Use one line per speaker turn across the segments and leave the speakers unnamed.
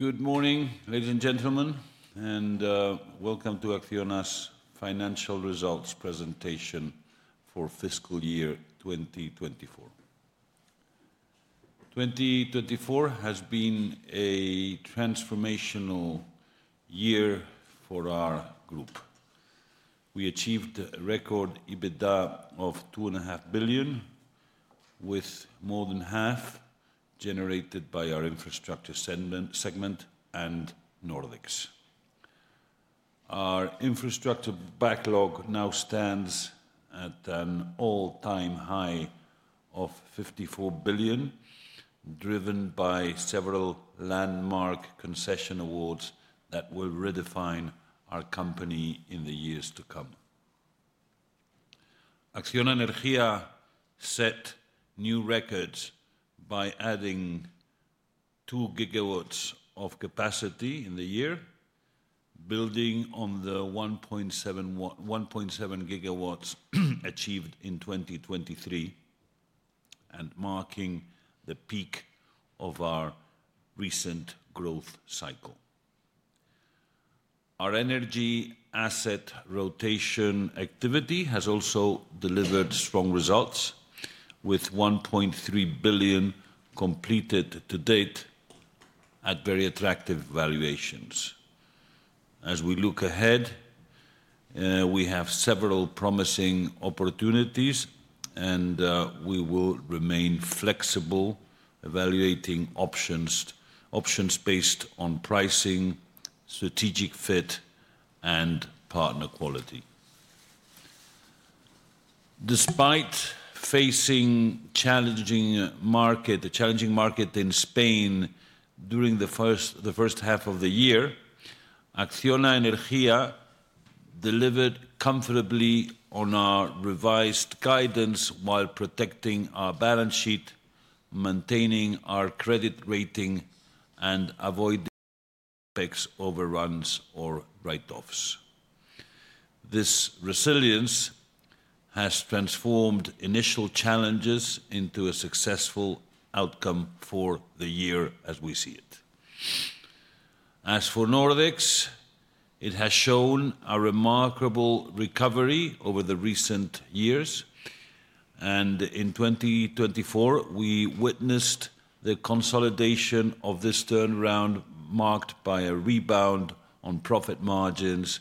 Good morning, ladies and gentlemen, and welcome to ACCIONA's financial results presentation for fiscal year 2024. 2024 has been a transformational year for our group. We achieved a record EBITDA of 2.5 billion, with more than half generated by our infrastructure segment and Nordex Our infrastructure backlog now stands at an all-time high of 54 billion, driven by several landmark concession awards that will redefine our company in the years to come. ACCIONA Energía set new records by adding two GW of capacity in the year, building on the 1.7 GW achieved in 2023 and marking the peak of our recent growth cycle. Our energy asset rotation activity has also delivered strong results, with 1.3 billion completed to date at very attractive valuations. As we look ahead, we have several promising opportunities, and we will remain flexible, evaluating options based on pricing, strategic fit, and partner quality. Despite facing a challenging market in Spain during the first half of the year, ACCIONA Energía delivered comfortably on our revised guidance while protecting our balance sheet, maintaining our credit rating, and avoiding overruns or write-offs. This resilience has transformed initial challenges into a successful outcome for the year as we see it. As for Nordex, it has shown a remarkable recovery over the recent years, and in 2024, we witnessed the consolidation of this turnaround marked by a rebound on profit margins,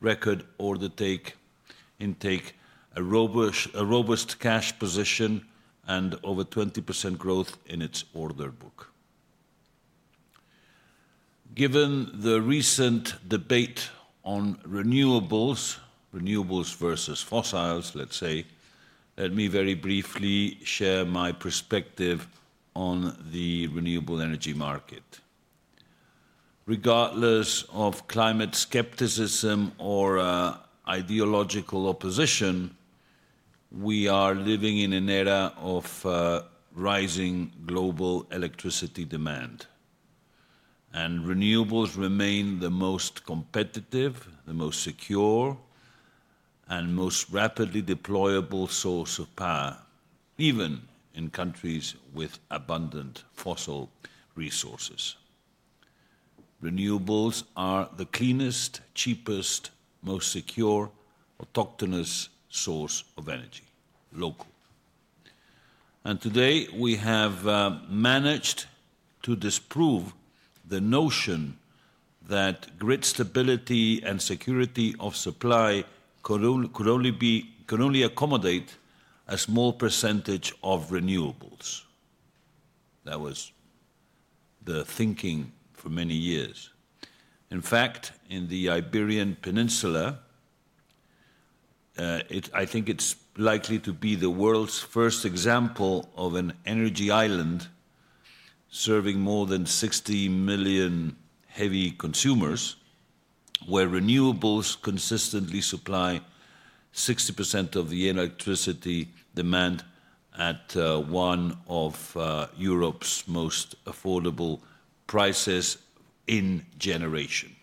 record order intake, a robust cash position, and over 20% growth in its order book. Given the recent debate on renewables versus fossils, let me very briefly share my perspective on the renewable energy market. Regardless of climate skepticism or ideological opposition, we are living in an era of rising global electricity demand, and renewables remain the most competitive, the most secure, and most rapidly deployable source of power, even in countries with abundant fossil resources. Renewables are the cleanest, cheapest, most secure, autochthonous source of energy, local. And today, we have managed to disprove the notion that grid stability and security of supply could only accommodate a small percentage of renewables. That was the thinking for many years. In fact, in the Iberian Peninsula, I think it's likely to be the world's first example of an energy island serving more than 60 million heavy consumers, where renewables consistently supply 60% of the electricity demand at one of Europe's most affordable prices in generation.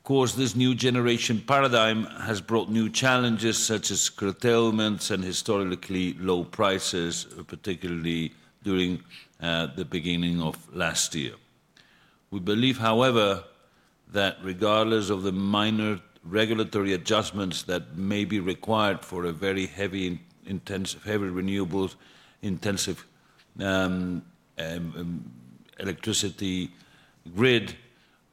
Of course, this new generation paradigm has brought new challenges such as curtailments and historically low prices, particularly during the beginning of last year. We believe, however, that regardless of the minor regulatory adjustments that may be required for a very heavy renewables-intensive electricity grid,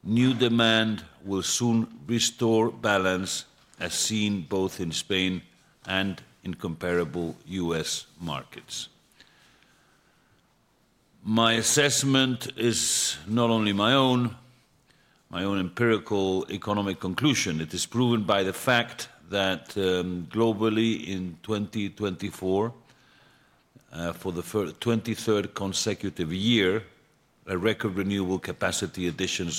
new demand will soon restore balance, as seen both in Spain and in comparable U.S. markets. My assessment is not only my own, my own empirical economic conclusion. It is proven by the fact that globally, in 2024, for the 23rd consecutive year, a record renewable capacity addition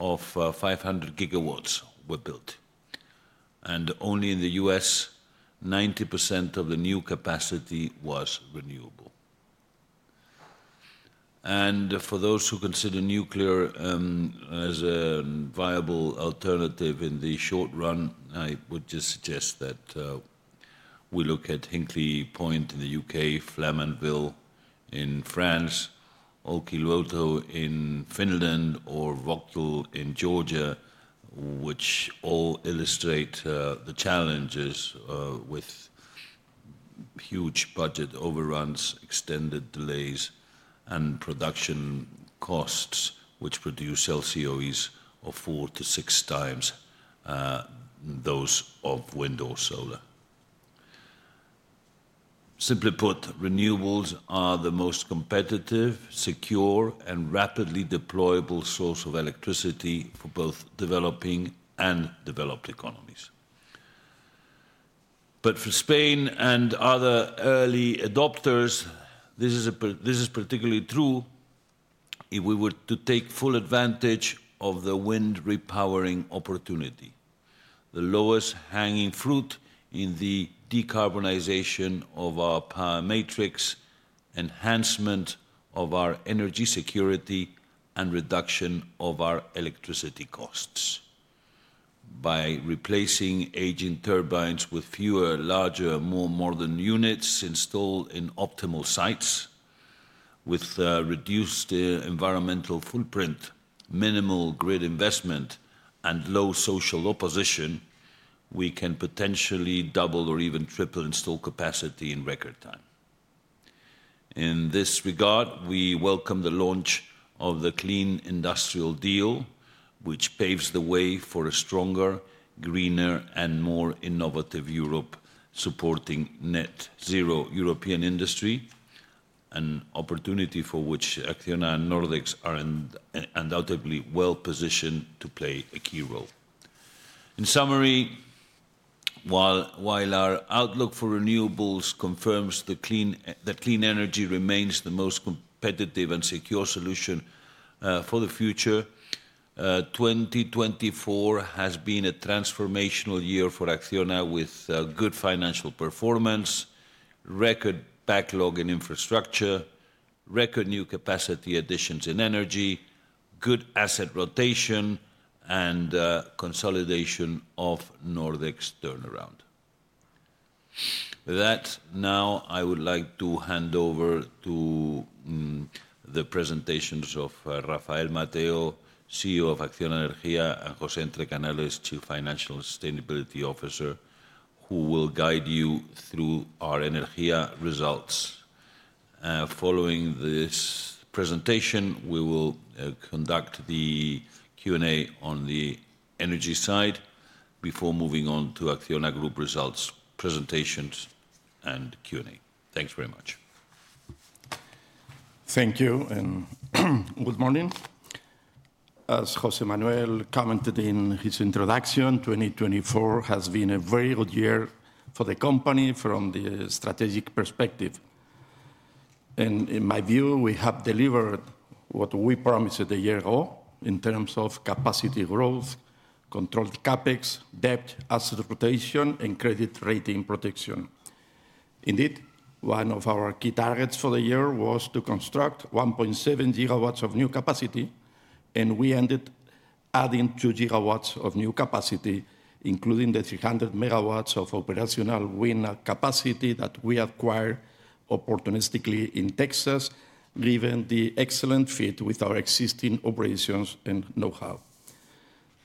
of 500 GW was built, and only in the U.S., 90% of the new capacity was renewable. And for those who consider nuclear as a viable alternative in the short run, I would just suggest that we look at Hinkley Point in the U.K., Flamanville in France, Olkiluoto in Finland, or Vogtle in Georgia, which all illustrate the challenges with huge budget overruns, extended delays, and production costs, which produce LCOEs of 4x-6x those of wind or solar. Simply put, renewables are the most competitive, secure, and rapidly deployable source of electricity for both developing and developed economies. But for Spain and other early adopters, this is particularly true if we were to take full advantage of the wind repowering opportunity: the lowest hanging fruit in the decarbonization of our power matrix, enhancement of our energy security, and reduction of our electricity costs. By replacing aging turbines with fewer, larger, more modern units installed in optimal sites, with reduced environmental footprint, minimal grid investment, and low social opposition, we can potentially double or even triple install capacity in record time. In this regard, we welcome the launch of the Clean Industrial Deal, which paves the way for a stronger, greener, and more innovative Europe supporting net-zero European industry, an opportunity for which ACCIONA and Nordex are undoubtedly well positioned to play a key role. In summary, while our outlook for renewables confirms that clean energy remains the most competitive and secure solution for the future, 2024 has been a transformational year for ACCIONA with good financial performance, record backlog in infrastructure, record new capacity additions in energy, good asset rotation, and consolidation of Nordex's turnaround. With that, now I would like to hand over to the presentations of Rafael Mateo, CEO of ACCIONA Energía, and José Entrecanales, Chief Financial and Sustainability Officer, who will guide you through our Energía results. Following this presentation, we will conduct the Q&A on the energy side before moving on to ACCIONA Group results, presentations, and Q&A. Thanks very much.
Thank you and good morning. As José Manuel commented in his introduction, 2024 has been a very good year for the company from the strategic perspective. And in my view, we have delivered what we promised a year ago in terms of capacity growth, controlled CapEx, debt, asset rotation, and credit rating protection. Indeed, one of our key targets for the year was to construct 1.7 GW of new capacity, and we ended adding 2 GW of new capacity, including the 300 MW of operational wind capacity that we acquired opportunistically in Texas, given the excellent fit with our existing operations and know-how.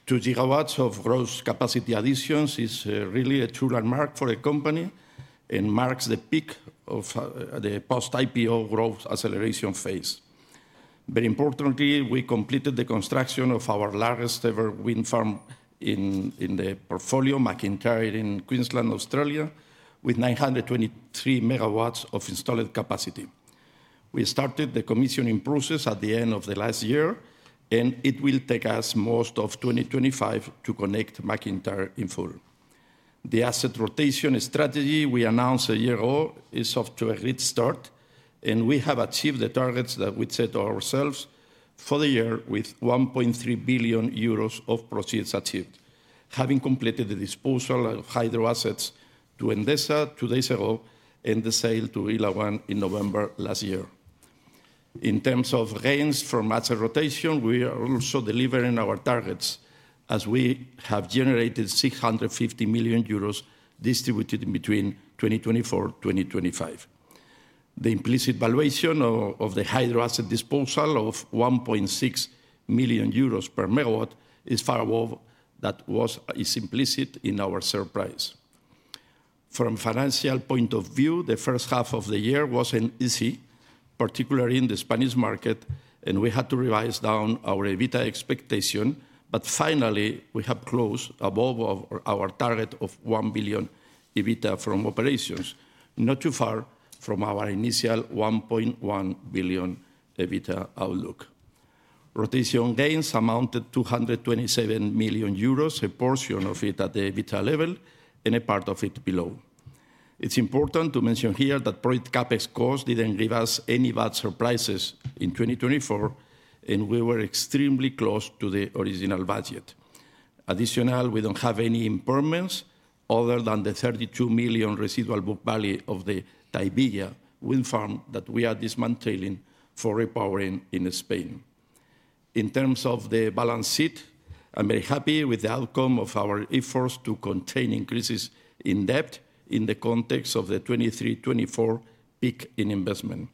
2 GW of gross capacity additions is really a true landmark for a company and marks the peak of the post-IPO growth acceleration phase. Very importantly, we completed the construction of our largest ever wind farm in the portfolio, MacIntyre in Queensland, Australia, with 923 MW of installed capacity. We started the commissioning process at the end of the last year, and it will take us most of 2025 to connect MacIntyre in full. The asset rotation strategy we announced a year ago is off to a great start, and we have achieved the targets that we set ourselves for the year with 1.3 billion euros of proceeds achieved, having completed the disposal of hydro assets to Endesa two days ago and the sale to Elawan in November last year. In terms of gains from asset rotation, we are also delivering our targets as we have generated 650 million euros distributed between 2024 and 2025. The implicit valuation of the hydro asset disposal of 1.6 million euros per megawatt is far above that was implicit in our sale price. From a financial point of view, the first half of the year wasn't easy, particularly in the Spanish market, and we had to revise down our EBITDA expectation. But finally, we have closed above our target of 1 billion EBITDA from operations, not too far from our initial 1.1 billion EBITDA outlook. Rotation gains amounted to 227 million euros, a portion of it at the EBITDA level and a part of it below. It's important to mention here that per CapEx cost didn't give us any bad surprises in 2024, and we were extremely close to the original budget. Additionally, we don't have any impairments other than the 32 million residual book value of the Tahivilla wind farm that we are dismantling for repowering in Spain. In terms of the balance sheet, I'm very happy with the outcome of our efforts to contain increases in debt in the context of the 2023-24 peak in investment.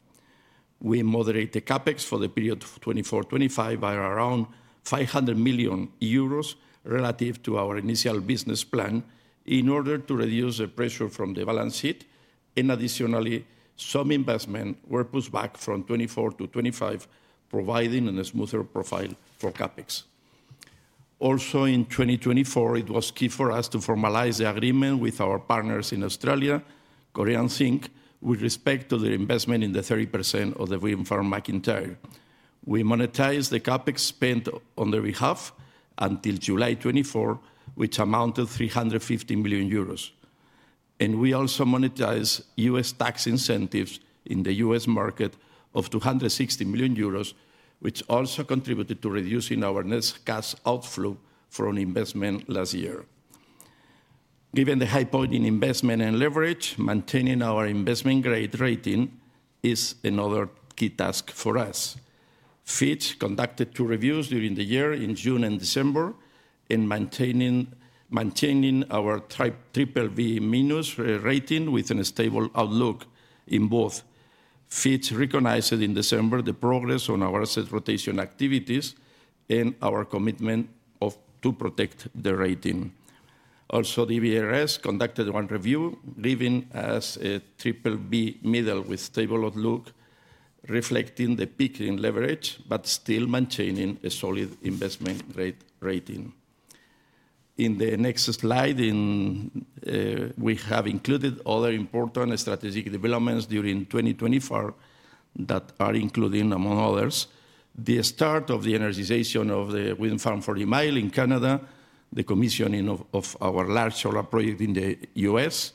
We moderated the CapEx for the period of 2024-25 by around 500 million euros relative to our initial business plan in order to reduce the pressure from the balance sheet, and additionally, some investment was pushed back from 2024 to 2025, providing a smoother profile for CapEx. Also, in 2024, it was key for us to formalize the agreement with our partners in Australia, Korea Zinc, with respect to their investment in the 30% of the wind farm MacIntyre. We monetized the CapEx spent on their behalf until July 2024, which amounted to 350 million euros. We also monetized U.S. tax incentives in the U.S. market of 260 million euros, which also contributed to reducing our net cash outflow from investment last year. Given the high point in investment and leverage, maintaining our investment grade rating is another key task for us. Fitch conducted two reviews during the year in June and December, and maintaining our BBB- rating with a stable outlook in both. Fitch recognized in December the progress on our asset rotation activities and our commitment to protect the rating. Also, DBRS conducted one review, giving us a triple B middle with stable outlook, reflecting the peak in leverage, but still maintaining a solid investment grade rating. In the next slide, we have included other important strategic developments during 2024 that are including, among others, the start of the energization of the 2 in Canada, the commissioning of our large solar project in the U.S.,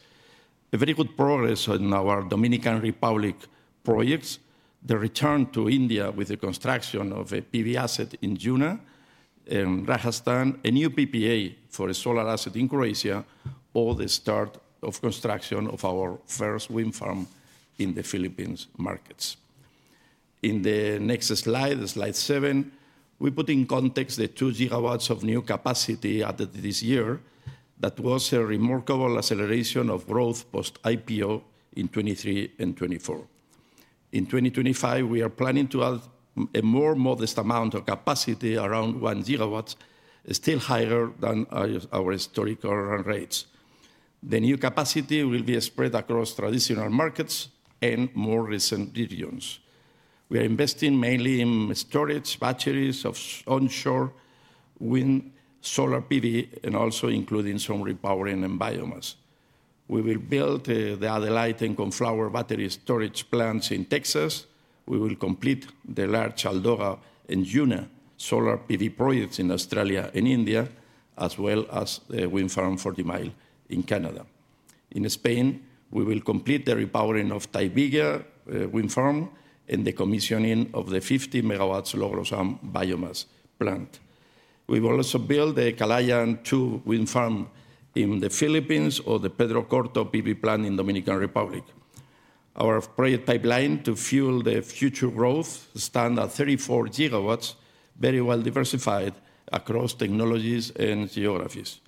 a very good progress on our Dominican Republic projects, the return to India with the construction of a PV asset in Juna and Rajasthan, a new PPA for a solar asset in Croatia, or the start of construction of our first wind farm in the Philippines markets. In the next slide, slide seven, we put in context the two GW of new capacity added this year that was a remarkable acceleration of growth post-IPO in 2023 and 2024. In 2025, we are planning to add a more modest amount of capacity, around 1 GW, still higher than our historical rates. The new capacity will be spread across traditional markets and more recent regions. We are investing mainly in storage batteries of onshore wind solar PV and also including some repowering and biomass. We will build the Adelanto and Coneflower battery storage plants in Texas. We will complete the large Aldoga and Juna solar PV projects in Australia and India, as well as the Forty Mile wind farm in Canada. In Spain, we will complete the repowering of Tahivilla wind farm and the commissioning of the 50 MW Logrosán biomass plant. We will also build the Kalayaan 2 wind farm in the Philippines or the Pedro Corto PV plant in the Dominican Republic. Our project pipeline to fuel the future growth stands at 34 GW, very well diversified across technologies and geographies.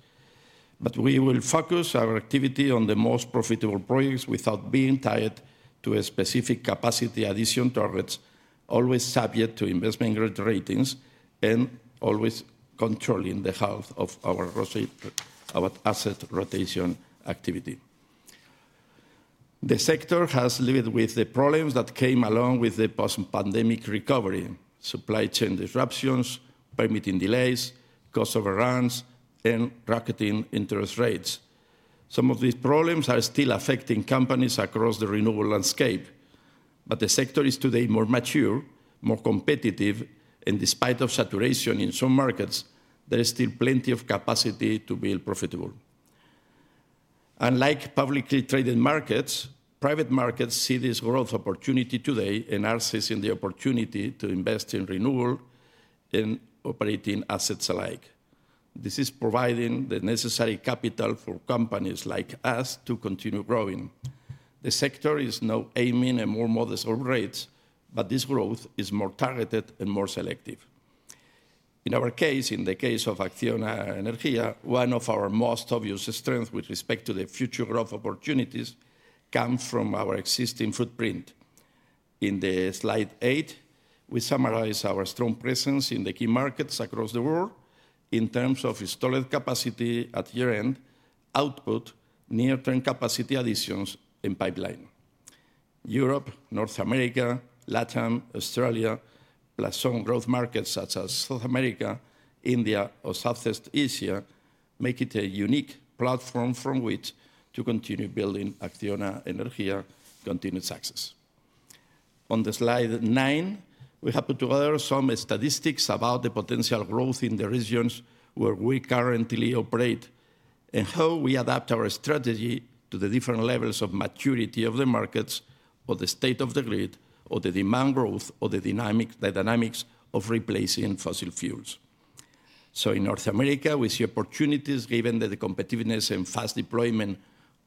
But we will focus our activity on the most profitable projects without being tied to specific capacity addition targets, always subject to investment grade ratings and always controlling the health of our asset rotation activity. The sector has lived with the problems that came along with the post-pandemic recovery: supply chain disruptions, permitting delays, cost overruns, and rocketing interest rates. Some of these problems are still affecting companies across the renewable landscape, but the sector is today more mature, more competitive, and despite saturation in some markets, there is still plenty of capacity to be profitable. Unlike publicly traded markets, private markets see this growth opportunity today and are seizing the opportunity to invest in renewable and operating assets alike. This is providing the necessary capital for companies like us to continue growing. The sector is now aiming at more modest rates, but this growth is more targeted and more selective. In our case, in the case of ACCIONA Energía, one of our most obvious strengths with respect to the future growth opportunities comes from our existing footprint. In slide eight, we summarize our strong presence in the key markets across the world in terms of installed capacity, attributable output, near-term capacity additions, and pipeline. Europe, North America, Latin America, Australia, plus some growth markets such as South America, India, or Southeast Asia make it a unique platform from which to continue building ACCIONA Energía's continuous success. On slide nine, we have put together some statistics about the potential growth in the regions where we currently operate and how we adapt our strategy to the different levels of maturity of the markets, or the state of the grid, or the demand growth, or the dynamics of replacing fossil fuels, so in North America, we see opportunities given the competitiveness and fast deployment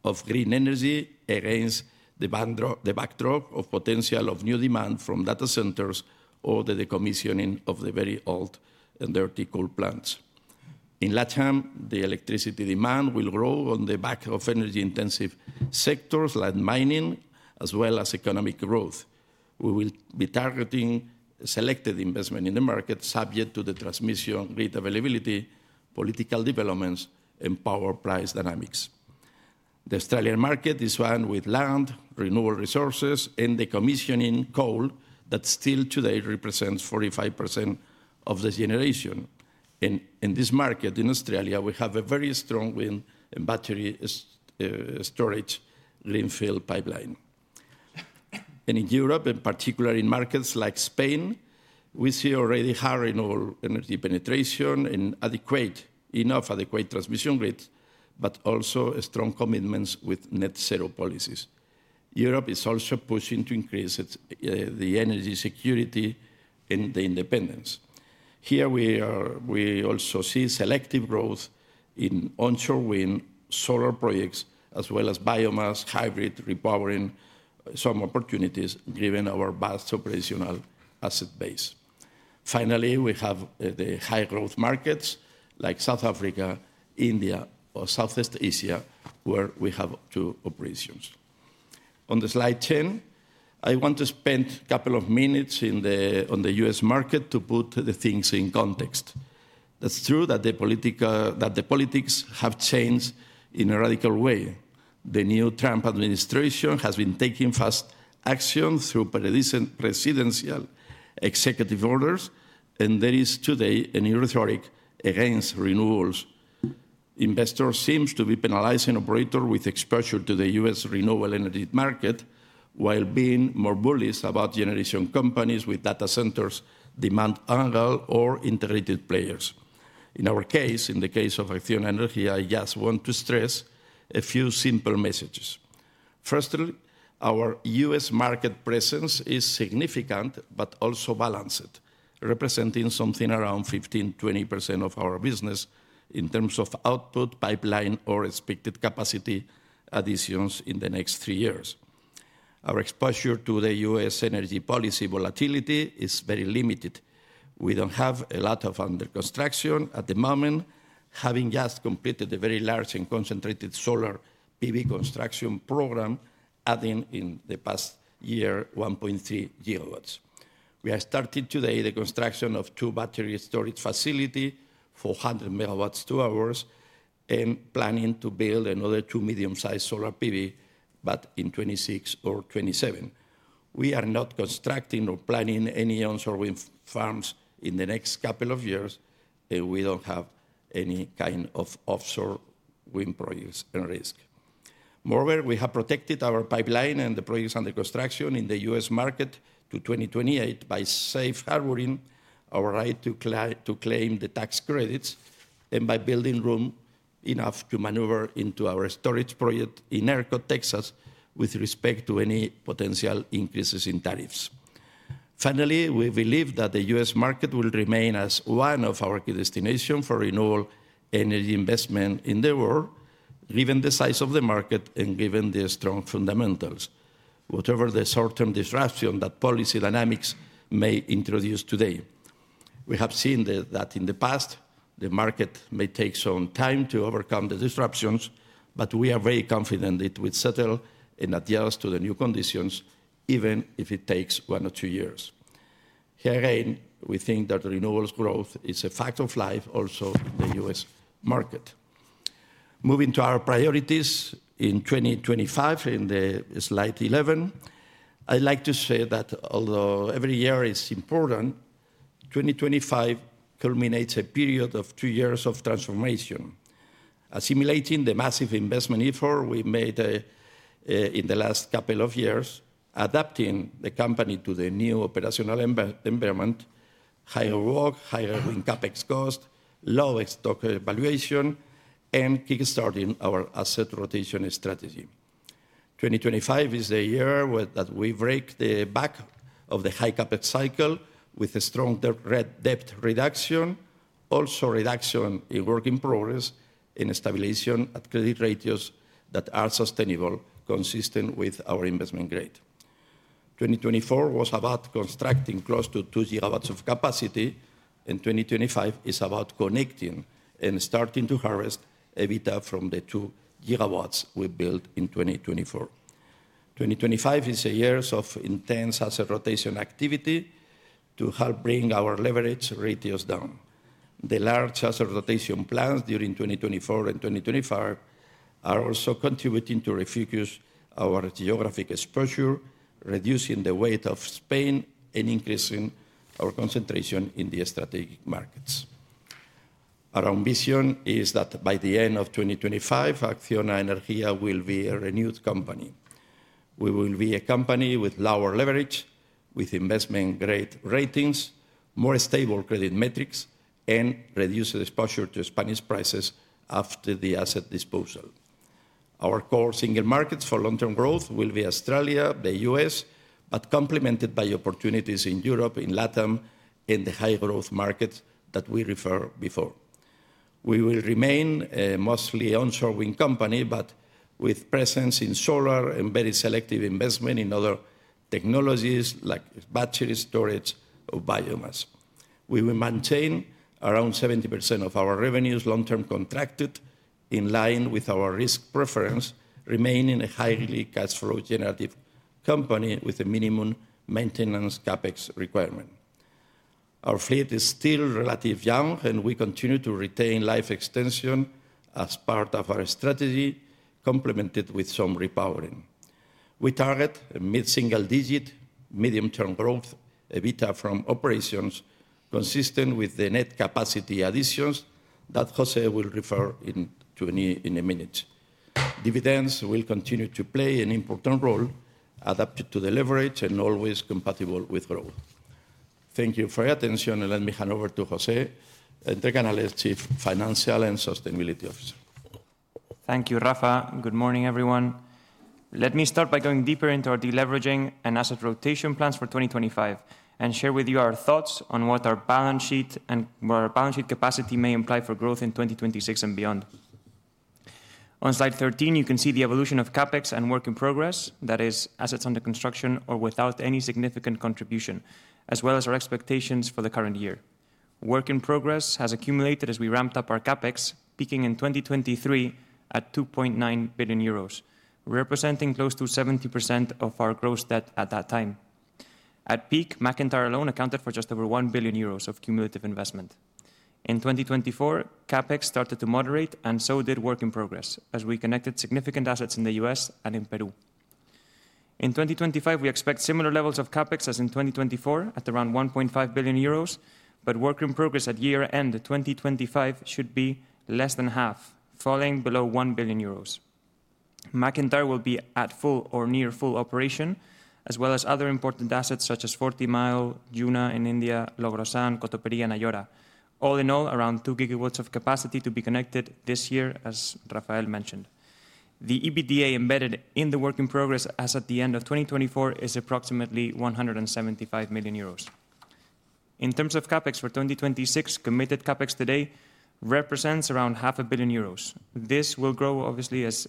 of green energy against the backdrop of potential new demand from data centers or the commissioning of the very old and dirty coal plants. In LATAM, the electricity demand will grow on the back of energy-intensive sectors like mining, as well as economic growth. We will be targeting selected investment in the market subject to the transmission grid availability, political developments, and power price dynamics. The Australian market is one with land, renewable resources, and the commissioning coal that still today represents 45% of the generation, and in this market in Australia, we have a very strong wind and battery storage greenfield pipeline. In Europe, in particular in markets like Spain, we see already high renewable energy penetration and enough adequate transmission grids, but also strong commitments with net-zero policies. Europe is also pushing to increase the energy security and the independence. Here, we also see selective growth in onshore wind solar projects, as well as biomass, hybrid, repowering, some opportunities given our vast operational asset base. Finally, we have the high-growth markets like South Africa, India, or Southeast Asia, where we have two operations. On slide 10, I want to spend a couple of minutes on the U.S. market to put the things in context. It's true that the politics have changed in a radical way. The new Trump administration has been taking fast action through presidential executive orders, and there is today a new rhetoric against renewables. Investors seem to be penalizing operators with exposure to the U.S. renewable energy market while being more bullish about generation companies with data centers' demand angle or integrated players. In our case, in the case of ACCIONA Energía, I just want to stress a few simple messages. Firstly, our U.S. market presence is significant but also balanced, representing something around 15%-20% of our business in terms of output, pipeline, or expected capacity additions in the next three years. Our exposure to the U.S. energy policy volatility is very limited. We don't have a lot under construction at the moment, having just completed a very large and concentrated solar PV construction program, adding in the past year 1.3 GW. We are starting today the construction of two battery storage facilities for 100 megawatt-hours and planning to build another two medium-sized solar PV, but in 2026 or 2027. We are not constructing or planning any onshore wind farms in the next couple of years, and we don't have any kind of offshore wind projects at risk. Moreover, we have protected our pipeline and the projects under construction in the U.S. market to 2028 by safeguarding our right to claim the tax credits and by building room enough to maneuver into our storage project in ERCOT, Texas, with respect to any potential increases in tariffs. Finally, we believe that the U.S. Market will remain as one of our key destinations for renewable energy investment in the world, given the size of the market and given the strong fundamentals, whatever the short-term disruption that policy dynamics may introduce today. We have seen that in the past, the market may take some time to overcome the disruptions, but we are very confident it will settle and adjust to the new conditions, even if it takes one or two years. Here again, we think that renewables growth is a fact of life also in the U.S. market. Moving to our priorities in 2025, in slide 11, I'd like to say that although every year is important, 2025 culminates a period of two years of transformation. Assimilating the massive investment effort we made in the last couple of years, adapting the company to the new operational environment, higher work, higher wind CapEx cost, lower stock valuation, and kickstarting our asset rotation strategy. 2025 is the year that we break the back of the high CapEx cycle with a strong debt reduction, also reduction in work in progress and stabilization at credit ratios that are sustainable, consistent with our Investment Grade. 2024 was about constructing close to 2 GW of capacity, and 2025 is about connecting and starting to harvest EBITDA from the 2 GW we built in 2024. 2025 is a year of intense asset rotation activity to help bring our leverage ratios down. The large asset rotation plans during 2024 and 2025 are also contributing to refocus our geographic exposure, reducing the weight of Spain and increasing our concentration in the strategic markets. Our ambition is that by the end of 2025, ACCIONA Energía will be a renewed company. We will be a company with lower leverage, with Investment Grade ratings, more stable credit metrics, and reduced exposure to Spanish prices after the asset disposal. Our core single markets for long-term growth will be Australia, the U.S., but complemented by opportunities in Europe, in LATAM, and the high-growth markets that we referred to before. We will remain a mostly onshore wind company, but with presence in solar and very selective investment in other technologies like battery storage or biomass. We will maintain around 70% of our revenues long-term contracted, in line with our risk preference, remaining a highly cash-flow generative company with a minimum maintenance CapEx requirement. Our fleet is still relatively young, and we continue to retain life extension as part of our strategy, complemented with some repowering. We target a mid-single-digit medium-term growth EBITDA from operations, consistent with the net capacity additions that José will refer to in a minute. Dividends will continue to play an important role, adapted to the leverage and always compatible with growth. Thank you for your attention, and let me hand over to José Entrecanales, Chief Financial and Sustainability Officer.
Thank you, Rafa. Good morning, everyone. Let me start by going deeper into our deleveraging and asset rotation plans for 2025 and share with you our thoughts on what our balance sheet capacity may imply for growth in 2026 and beyond. On slide 13, you can see the evolution of CapEx and work in progress, that is, assets under construction or without any significant contribution, as well as our expectations for the current year. Work in progress has accumulated as we ramped up our CapEx, peaking in 2023 at 2.9 billion euros, representing close to 70% of our gross debt at that time. At peak, MacIntyre alone accounted for just over 1 billion euros of cumulative investment. In 2024, CapEx started to moderate, and so did work in progress, as we connected significant assets in the U.S. and in Peru. In 2025, we expect similar levels of CapEx as in 2024 at around 1.5 billion euros, but work in progress at year-end 2025 should be less than half, falling below 1 billion euros. MacIntyre will be at full or near full operation, as well as other important assets such as Forty Mile, Juna in India, Logrosán, Cotoperí, and Ayora, all in all around 2 GW of capacity to be connected this year, as Rafael mentioned. The EBITDA embedded in the work in progress as at the end of 2024 is approximately 175 million euros. In terms of CapEx for 2026, committed CapEx today represents around 500 million euros. This will grow, obviously, as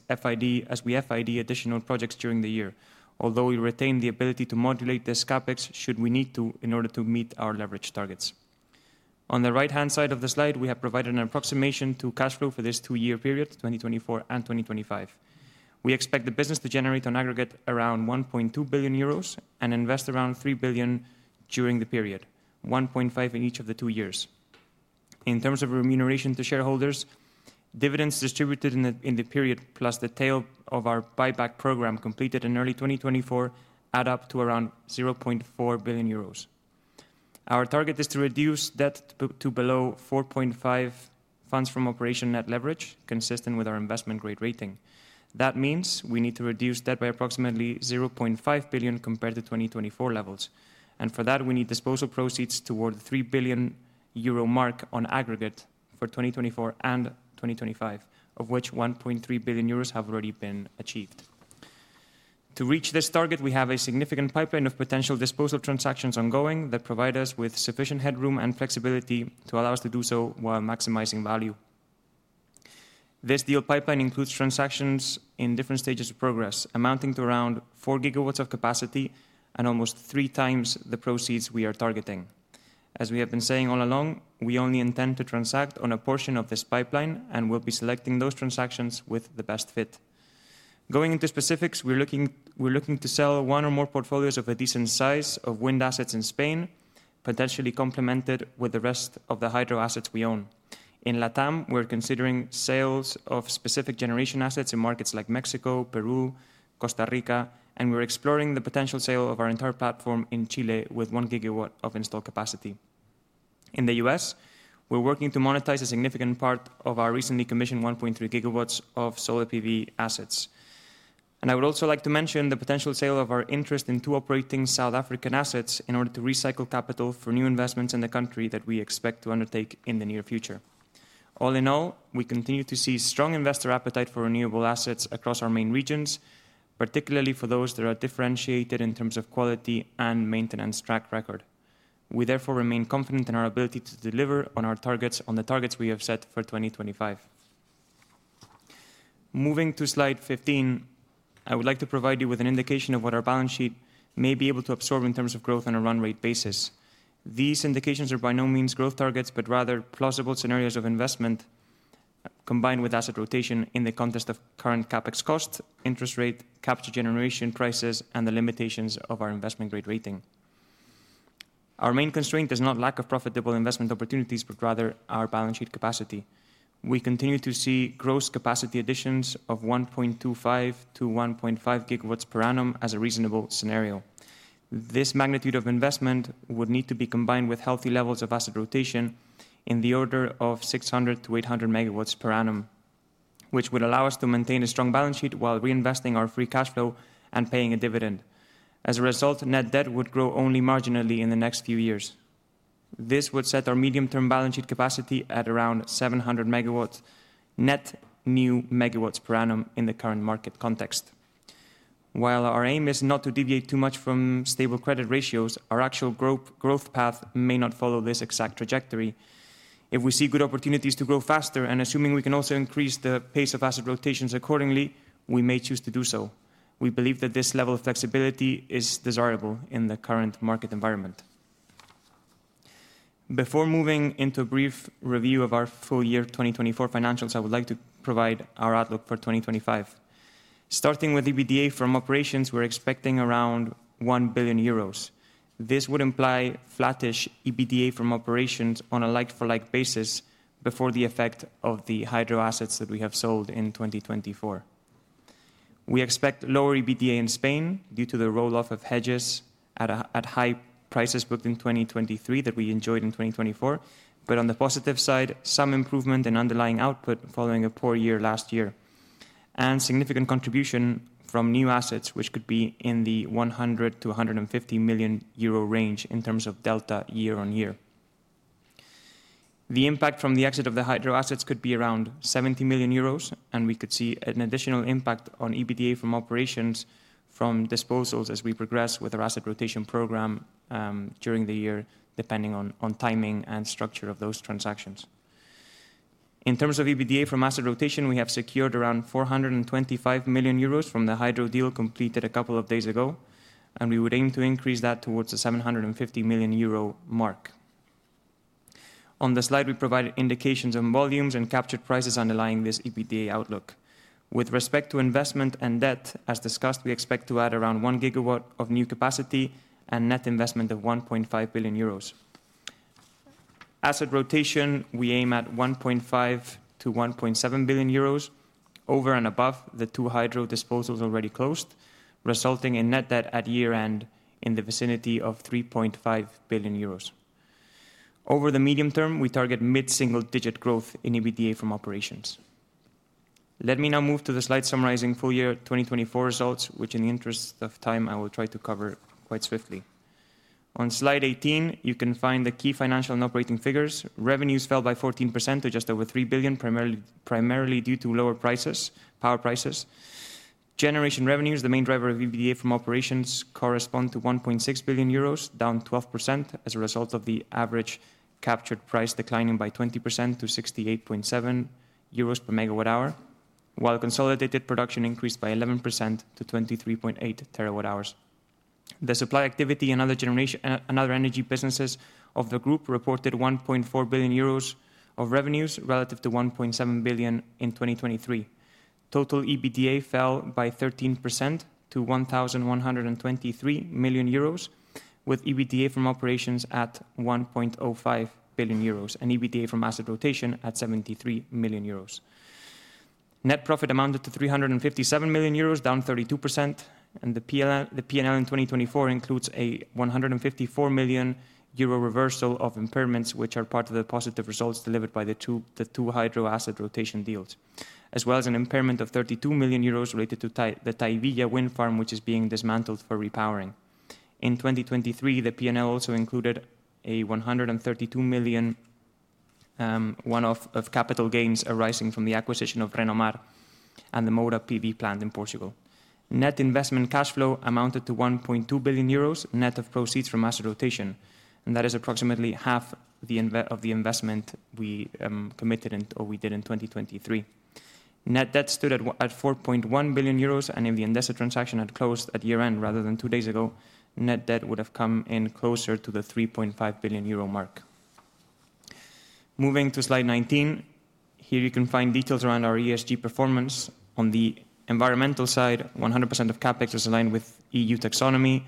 we FID additional projects during the year, although we retain the ability to modulate this CapEx should we need to in order to meet our leverage targets. On the right-hand side of the slide, we have provided an approximation to cash flow for this two-year period, 2024 and 2025. We expect the business to generate on aggregate around 1.2 billion euros and invest around 3 billion during the period, 1.5 in each of the two years. In terms of remuneration to shareholders, dividends distributed in the period plus the tail of our buyback program completed in early 2024 add up to around 0.4 billion euros. Our target is to reduce debt to below 4.5 Funds From Operations net leverage, consistent with our investment grade rating. That means we need to reduce debt by approximately 0.5 billion compared to 2024 levels, and for that, we need disposal proceeds toward the 3 billion euro mark on aggregate for 2024 and 2025, of which 1.3 billion euros have already been achieved. To reach this target, we have a significant pipeline of potential disposal transactions ongoing that provide us with sufficient headroom and flexibility to allow us to do so while maximizing value. This deal pipeline includes transactions in different stages of progress, amounting to around 4 GW of capacity and almost 3x the proceeds we are targeting. As we have been saying all along, we only intend to transact on a portion of this pipeline and will be selecting those transactions with the best fit. Going into specifics, we're looking to sell one or more portfolios of a decent size of wind assets in Spain, potentially complemented with the rest of the hydro assets we own. In LATAM, we're considering sales of specific generation assets in markets like Mexico, Peru, Costa Rica, and we're exploring the potential sale of our entire platform in Chile with 1 GW of installed capacity. In the U.S., we're working to monetize a significant part of our recently commissioned 1.3 GW of solar PV assets. And I would also like to mention the potential sale of our interest in two operating South African assets in order to recycle capital for new investments in the country that we expect to undertake in the near future. All in all, we continue to see strong investor appetite for renewable assets across our main regions, particularly for those that are differentiated in terms of quality and maintenance track record. We therefore remain confident in our ability to deliver on our targets we have set for 2025. Moving to slide 15, I would like to provide you with an indication of what our balance sheet may be able to absorb in terms of growth on a run rate basis. These indications are by no means growth targets, but rather plausible scenarios of investment combined with asset rotation in the context of current CapEx costs, interest rate, capture generation prices, and the limitations of our investment grade rating. Our main constraint is not lack of profitable investment opportunities, but rather our balance sheet capacity. We continue to see gross capacity additions of 1.25 GW to 1.5 GW per annum as a reasonable scenario. This magnitude of investment would need to be combined with healthy levels of asset rotation in the order of 600 MW-800 MW per annum, which would allow us to maintain a strong balance sheet while reinvesting our free cash flow and paying a dividend. As a result, net debt would grow only marginally in the next few years. This would set our medium-term balance sheet capacity at around 700 MW net new MW per annum in the current market context. While our aim is not to deviate too much from stable credit ratios, our actual growth path may not follow this exact trajectory. If we see good opportunities to grow faster, and assuming we can also increase the pace of asset rotations accordingly, we may choose to do so. We believe that this level of flexibility is desirable in the current market environment. Before moving into a brief review of our full year 2024 financials, I would like to provide our outlook for 2025. Starting with EBITDA from operations, we're expecting around 1 billion euros. This would imply flattish EBITDA from operations on a like-for-like basis before the effect of the hydro assets that we have sold in 2024. We expect lower EBITDA in Spain due to the roll-off of hedges at high prices booked in 2023 that we enjoyed in 2024, but on the positive side, some improvement in underlying output following a poor year last year and significant contribution from new assets, which could be in the 100 million-150 million euro range in terms of delta year on year. The impact from the exit of the hydro assets could be around 70 million euros, and we could see an additional impact on EBITDA from operations from disposals as we progress with our asset rotation program during the year, depending on timing and structure of those transactions. In terms of EBITDA from asset rot ation, we have secured around 425 million euros from the hydro deal completed a couple of days ago, and we would aim to increase that towards the 750 million euro mark. On the slide, we provide indications on volumes and capture prices underlying this EBITDA outlook. With respect to investment and debt, as discussed, we expect to add around 1 GW of new capacity and net investment of 1.5 billion euros. asset rotation, we aim at 1.5 billion-1.7 billion euros over and above the two hydro disposals already closed, resulting in net debt at year-end in the vicinity of 3.5 billion euros. Over the medium term, we target mid-single-digit growth in EBITDA from operations. Let me now move to the slide summarizing full year 2024 results, which, in the interest of time, I will try to cover quite swiftly. On slide 18, you can find the key financial and operating figures. Revenues fell by 14% to just over 3 billion, primarily due to lower prices, power prices. Generation revenues, the main driver of EBITDA from operations, correspond to 1.6 billion euros, down 12% as a result of the average captured price declining by 20% to 68.7 euros per megawatt hour, while consolidated production increased by 11% to 23.8 TWh. The supply activity and other energy businesses of the group reported 1.4 billion euros of revenues relative to 1.7 billion in 2023. Total EBITDA fell by 13% to 1,123 million euros, with EBITDA from operations at 1.05 billion euros and EBITDA from asset rotation at 73 million euros. Net profit amounted to 357 million euros, down 32%, and the P&L in 2024 includes a 154 million euro reversal of impairments, which are part of the positive results delivered by the two hydro asset rotation deals, as well as an impairment of 32 million euros related to the Tahivilla wind farm, which is being dismantled for repowering. In 2023, the P&L also included a 132 million one-off of capital gains arising from the acquisition of Renomar and the Moura PV plant in Portugal. Net investment cash flow amounted to 1.2 billion euros net of proceeds from asset rotation, and that is approximately half of the investment we committed or we did in 2023. Net debt stood at 4.1 billion euros, and if the Endesa transaction had closed at year-end rather than two days ago, net debt would have come in closer to the 3.5 billion euro mark. Moving to slide 19, here you can find details around our ESG performance. On the environmental side, 100% of CapEx is aligned with EU Taxonomy.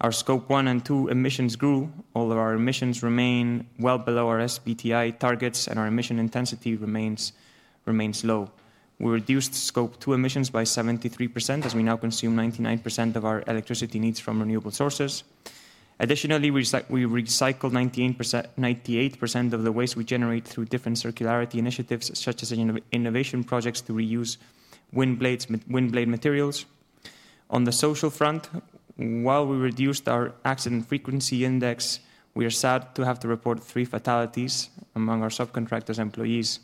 Our Scope 1 and 2 emissions grew. All of our emissions remain well below our SBTi targets, and our emission intensity remains low. We reduced Scope 2 emissions by 73% as we now consume 99% of our electricity needs from renewable sources. Additionally, we recycled 98% of the waste we generate through different circularity initiatives, such as innovation projects to reuse wind blade materials. On the social front, while we reduced our accident frequency index, we are sad to have to report three fatalities among our subcontractors' employees.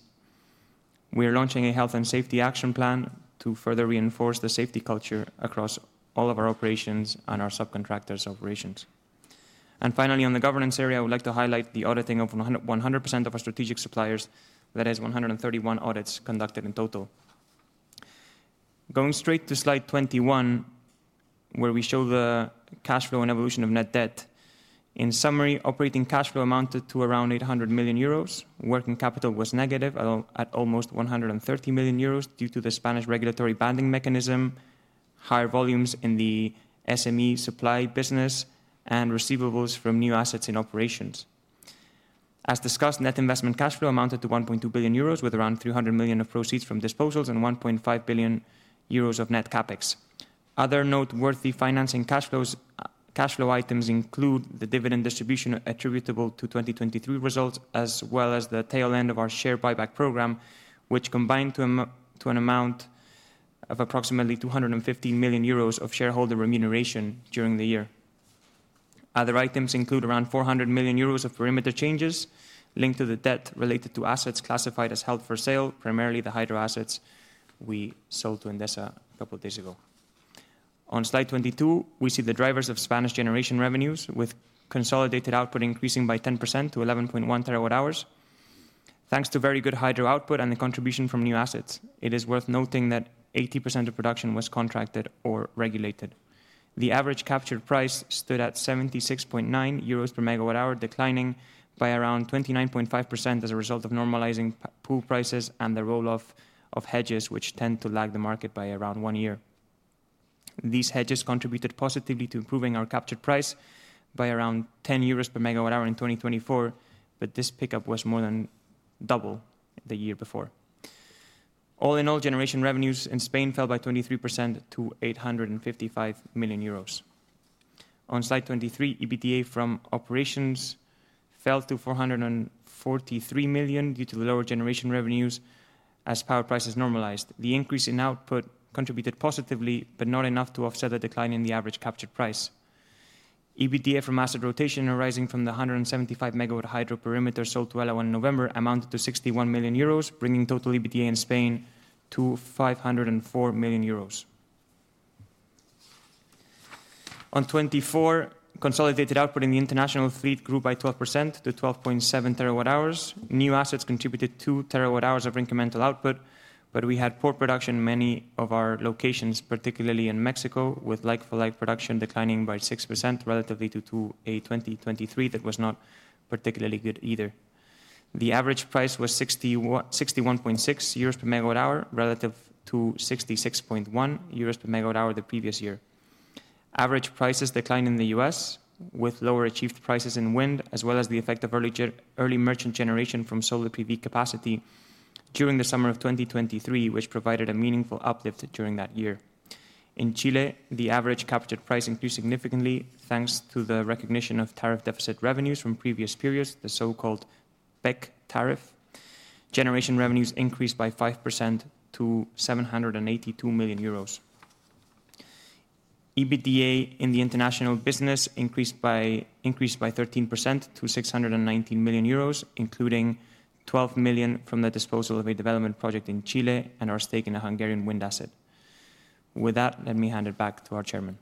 We are launching a health and safety action plan to further reinforce the safety culture across all of our operations and our subcontractors' operations. Finally, on the governance area, I would like to highlight the auditing of 100% of our strategic suppliers. That is 131 audits conducted in total. Going straight to Slide 21, where we show the cash flow and evolution of net debt. In summary, operating cash flow amounted to around 800 million euros. Working capital was negative at almost 130 million euros due to the Spanish regulatory banding mechanism, higher volumes in the SME supply business, and receivables from new assets in operations. As discussed, net investment cash flow amounted to 1.2 billion euros, with around 300 million of proceeds from disposals and 1.5 billion euros of net CapEx. Other noteworthy financing cash flow items include the dividend distribution attributable to 2023 results, as well as the tail end of our share buyback program, which combined to an amount of approximately 250 million euros of shareholder remuneration during the year. Other items include around 400 million euros of perimeter changes linked to the debt related to assets classified as held for sale, primarily the hydro assets we sold to Endesa a couple of days ago. On slide 22, we see the drivers of Spanish generation revenues, with consolidated output increasing by 10% to 11.1 TWh, thanks to very good hydro output and the contribution from new assets. It is worth noting that 80% of production was contracted or regulated. The average capture price stood at 76.9 euros per megawatt hour, declining by around 29.5% as a result of normalizing pool prices and the roll-off of hedges, which tend to lag the market by around one year. These hedges contributed positively to improving our capture price by around 10 euros per megawatt hour in 2024, but this pickup was more than double the year before. All in all, generation revenues in Spain fell by 23% to 855 million euros. On slide 23, EBITDA from operations fell to 443 million due to the lower generation revenues as power prices normalized. The increase in output contributed positively, but not enough to offset the decline in the average capture price. EBITDA from asset rotation arising from the 175 MW hydro perimeter sold to Elawan in November amounted to 61 million euros, bringing total EBITDA in Spain to 504 million euros. On 24, consolidated output in the international fleet grew by 12% to 12.7 TWh. New assets contributed 2 TWh of incremental output, but we had poor production in many of our locations, particularly in Mexico, with like-for-like production declining by 6% relative to 2023. That was not particularly good either. The average price was 61.6 euros per megawatt hour, relative to 66.1 euros per megawatt hour the previous year. Average prices declined in the U.S., with lower achieved prices in wind, as well as the effect of early merchant generation from solar PV capacity during the summer of 2023, which provided a meaningful uplift during that year. In Chile, the average captured price increased significantly thanks to the recognition of tariff deficit revenues from previous periods, the so-called PEC tariff. Generation revenues increased by 5% to 782 million euros. EBITDA in the international business increased by 13% to 619 million euros, including 12 million from the disposal of a development project in Chile and our stake in a Hungarian wind asset. With that, let me hand it back to our chairman.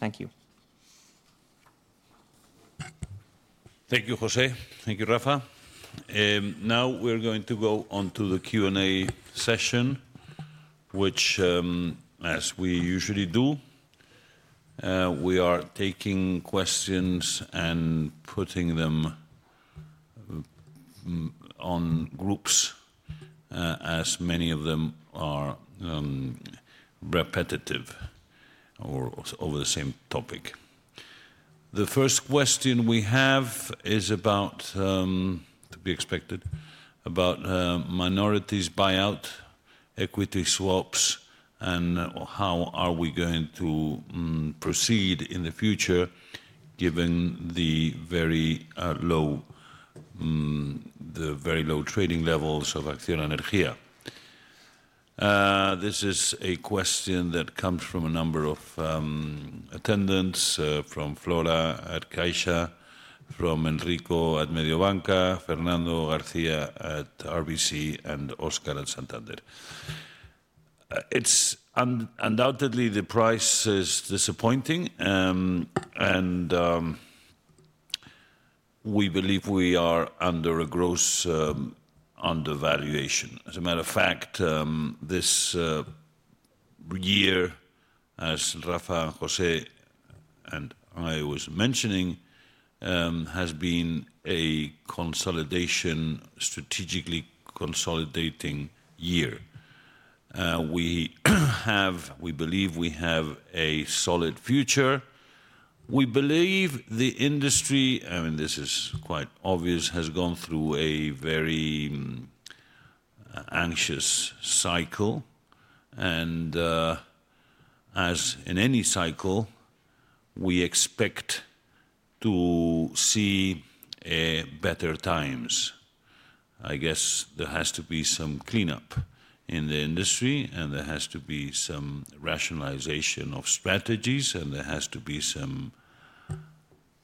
Thank you. Thank you, José. Thank you, Rafa.
Now we're going to go on to the Q&A session, which, as we usually do, we are taking questions and putting them into groups as many of them are repetitive or over the same topic. The first question we have is about, to be expected, about minority buyout, equity swaps, and how are we going to proceed in the future given the very low trading levels of ACCIONA Energía. This is a question that comes from a number of attendees, from Flora at Caixa, from Enrico at Mediobanca, Fernando García at RBC, and Óscar at Santander. It's undoubtedly the price is disappointing, and we believe we are under a gross undervaluation. As a matter of fact, this year, as Rafa and José and I were mentioning, has been a strategically consolidating year. We believe we have a solid future. We believe the industry, and this is quite obvious, has gone through a very anxious cycle, and as in any cycle, we expect to see better times. I guess there has to be some cleanup in the industry, and there has to be some rationalization of strategies, and there has to be some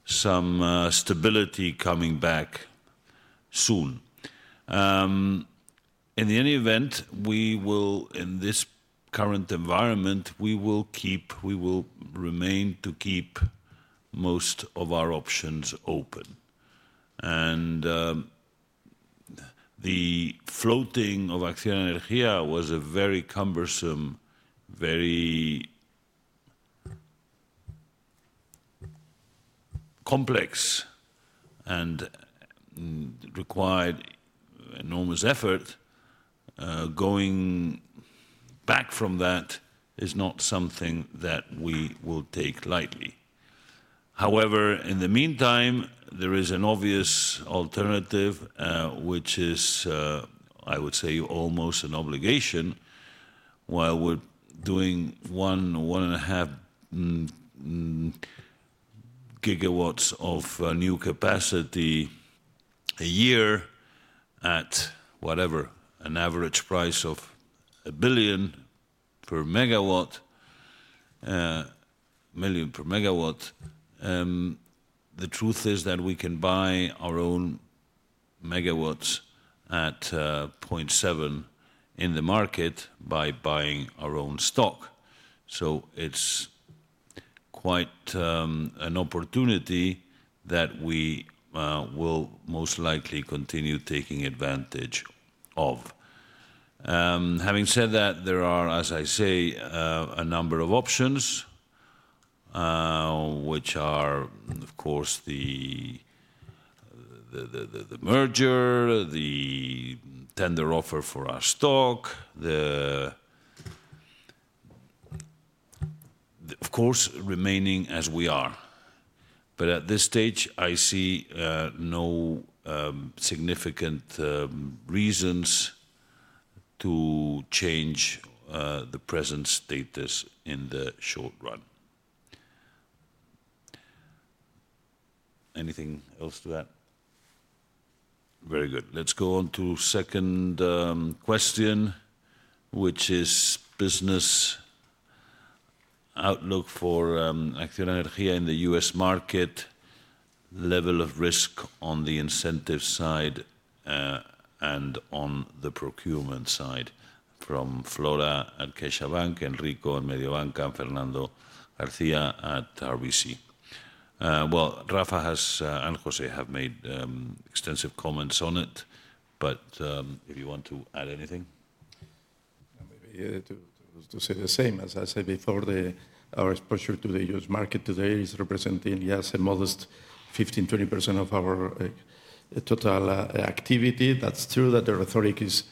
stability coming back soon. In any event, in this current environment, we will remain to keep most of our options open, and the floating of ACCIONA Energía was very cumbersome, very complex, and required enormous effort. Going back from that is not something that we will take lightly. However, in the meantime, there is an obvious alternative, which is, I would say, almost an obligation. While we're doing one or one and a half gigawatts of new capacity a year at, whatever, an average price of 1 million per megawatt, the truth is that we can buy our own megawatts at 0.7 in the market by buying our own stock. So it's quite an opportunity that we will most likely continue taking advantage of. Having said that, there are, as I say, a number of options, which are, of course, the merger, the tender offer for our stock, of course, remaining as we are. But at this stage, I see no significant reasons to change the present status in the short run. Anything else to add? Very good. Let's go on to the second question, which is business outlook for ACCIONA Energía in the U.S. market, level of risk on the incentive side and on the procurement side from Flora at CaixaBank, Enrico at Mediobanca, and Fernando García at RBC. Rafa and José have made extensive comments on it, but if you want to add anything.
Maybe to say the same. As I said before, our exposure to the U.S. market today is representing, yes, a modest 15%-20% of our total activity. That's true that the rhetoric is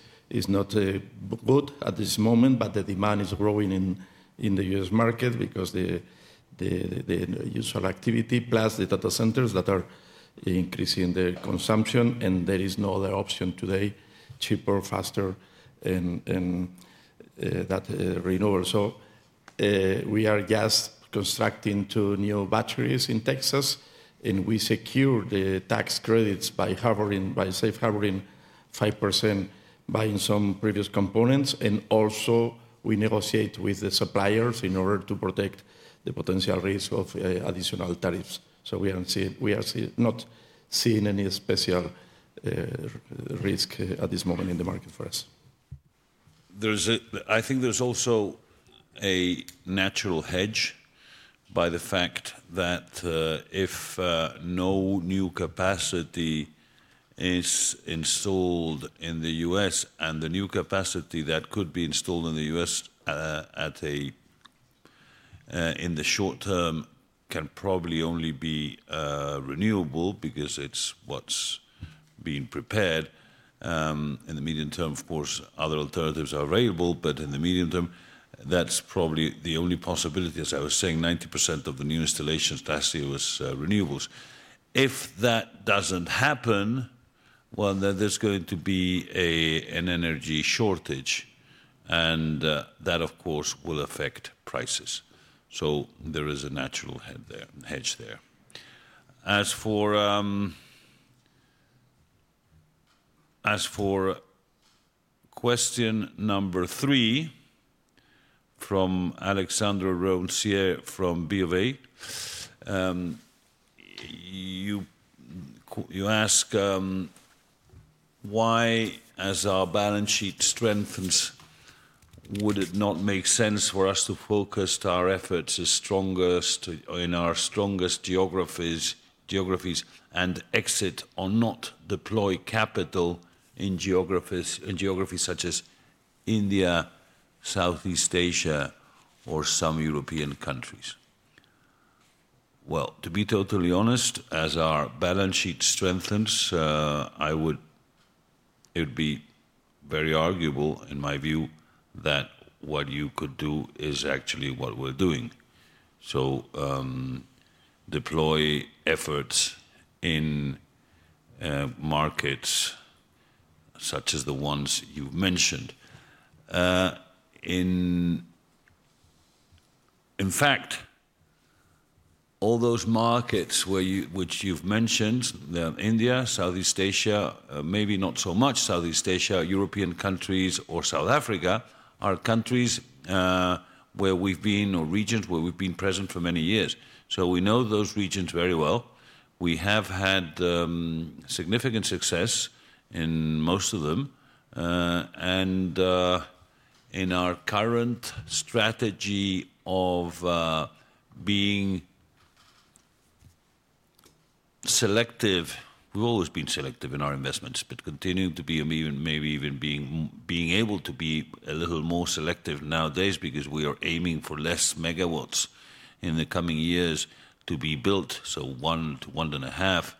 not good at this moment, but the demand is growing in the U.S. market because the usual activity plus the data centers that are increasing the consumption, and there is no other option today, cheaper, faster, and that renewable. We are just constructing two new batteries in Texas, and we secure the tax credits by safe harboring 5%, buying some previous components. And also, we negotiate with the suppliers in order to protect the potential risk of additional tariffs. So we are not seeing any special risk at this moment in the market for us.
I think there's also a natural hedge by the fact that if no new capacity is installed in the U.S. and the new capacity that could be installed in the U.S. in the short term can probably only be renewable because it's what's being prepared. In the medium term, of course, other alternatives are available, but in the medium term, that's probably the only possibility. As I was saying, 90% of the new installations last year was renewables. If that doesn't happen, well, then there's going to be an energy shortage, and that, of course, will affect prices. So there is a natural hedge there. As for question number three from Alexandre Roncier from B of A, you ask why, as our balance sheet strengthens, would it not make sense for us to focus our efforts in our strongest geographies and exit or not deploy capital in geographies such as India, Southeast Asia, or some European countries? Well, to be totally honest, as our balance sheet strengthens, it would be very arguable, in my view, that what you could do is actually what we're doing. So deploy efforts in markets such as the ones you've mentioned. In fact, all those markets which you've mentioned, India, Southeast Asia, maybe not so much Southeast Asia, European countries, or South Africa, are countries where we've been or regions where we've been present for many years. So we know those regions very well. We have had significant success in most of them. And in our current strategy of being selective, we've always been selective in our investments, but continuing to be maybe even being able to be a little more selective nowadays because we are aiming for less megawatts in the coming years to be built. So 1-1.5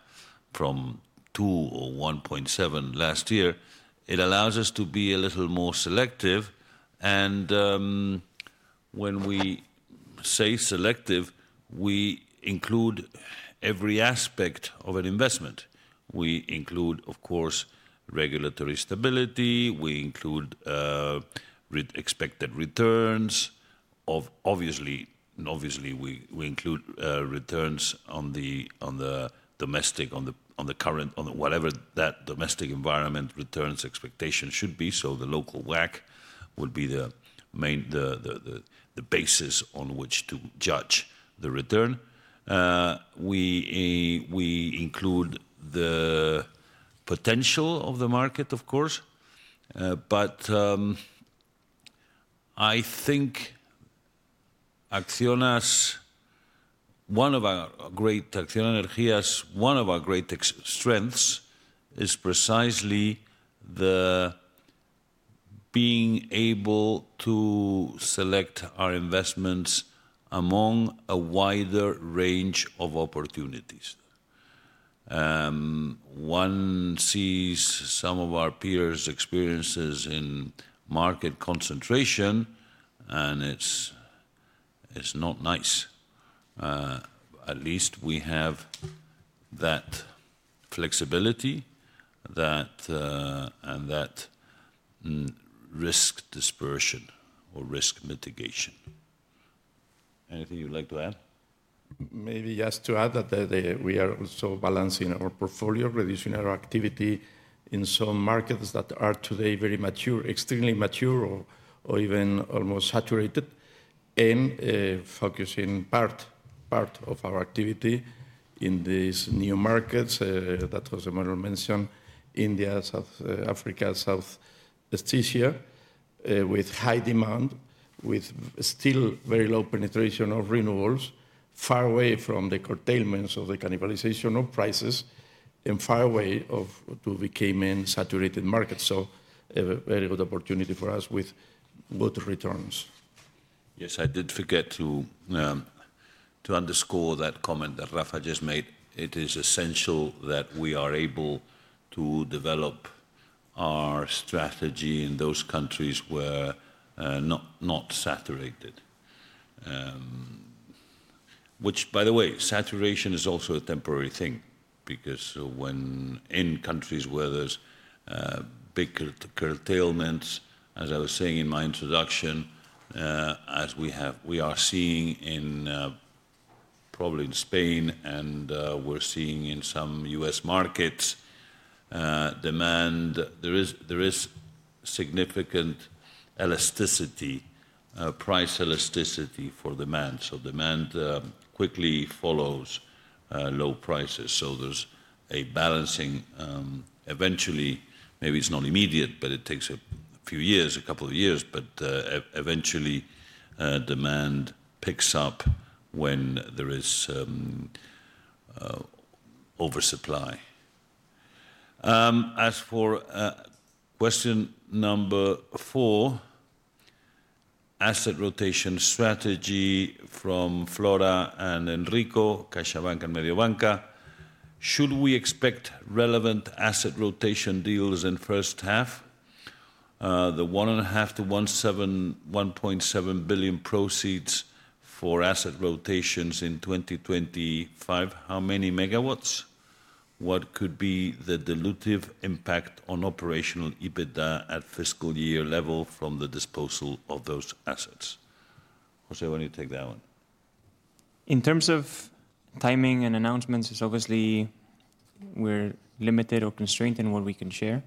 from 2 or 1.7 last year. It allows us to be a little more selective. And when we say selective, we include every aspect of an investment. We include, of course, regulatory stability. We include expected returns. Obviously, we include returns on the domestic, on the current, on whatever that domestic environment returns expectation should be. So the local WACC would be the basis on which to judge the return. We include the potential of the market, of course.
But I think ACCIONA Energía, one of our great strengths, is precisely being able to select our investments among a wider range of opportunities. One sees some of our peers' experiences in market concentration, and it's not nice. At least we have that flexibility and that risk dispersion or risk mitigation. Anything you'd like to add? Maybe just to add that we are also balancing our portfolio, reducing our activity in some markets that are today very mature, extremely mature, or even almost saturated, and focusing part of our activity in these new markets that José Manuel mentioned, India, South Africa, Southeast Asia, with high demand, with still very low penetration of renewables, far away from the curtailments of the cannibalization of prices and far away from becoming saturated markets. So a very good opportunity for us with good returns.
Yes, I did forget to underscore that comment that Rafa just made. It is essential that we are able to develop our strategy in those countries where not saturated. Which, by the way, saturation is also a temporary thing because in countries where there's big curtailments, as I was saying in my introduction, as we are seeing probably in Spain and we're seeing in some U.S. markets, demand, there is significant elasticity, price elasticity for demand. So demand quickly follows low prices. So there's a balancing. Eventually, maybe it's not immediate, but it takes a few years, a couple of years, but eventually demand picks up when there is oversupply. As for question number four, asset rotation strategy from Flora and Enrico, CaixaBank and Mediobanca, should we expect relevant asset rotation deals in first half? The 1.7 billion proceeds for asset rotations in 2025, how many megawatts? What could be the dilutive impact on operational EBITDA at fiscal year level from the disposal of those assets? José, why don't you take that one?
In terms of timing and announcements, it's obviously we're limited or constrained in what we can share.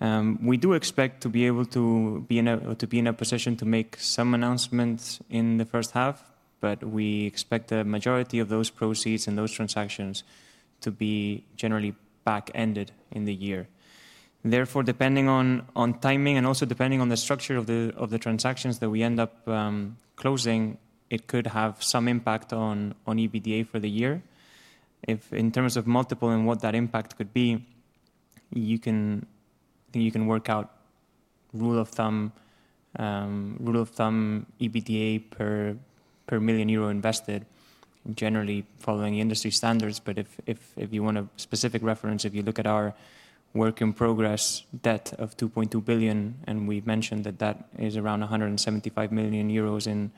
We do expect to be able to be in a position to make some announcements in the first half, but we expect the majority of those proceeds and those transactions to be generally back-ended in the year. Therefore, depending on timing and also depending on the structure of the transactions that we end up closing, it could have some impact on EBITDA for the year. In terms of multiple and what that impact could be, I think you can work out rule of thumb EBITDA per million euro invested, generally following industry standards. But if you want a specific reference, if you look at our work in progress debt of 2.2 billion, and we've mentioned that that is around 175 million euros in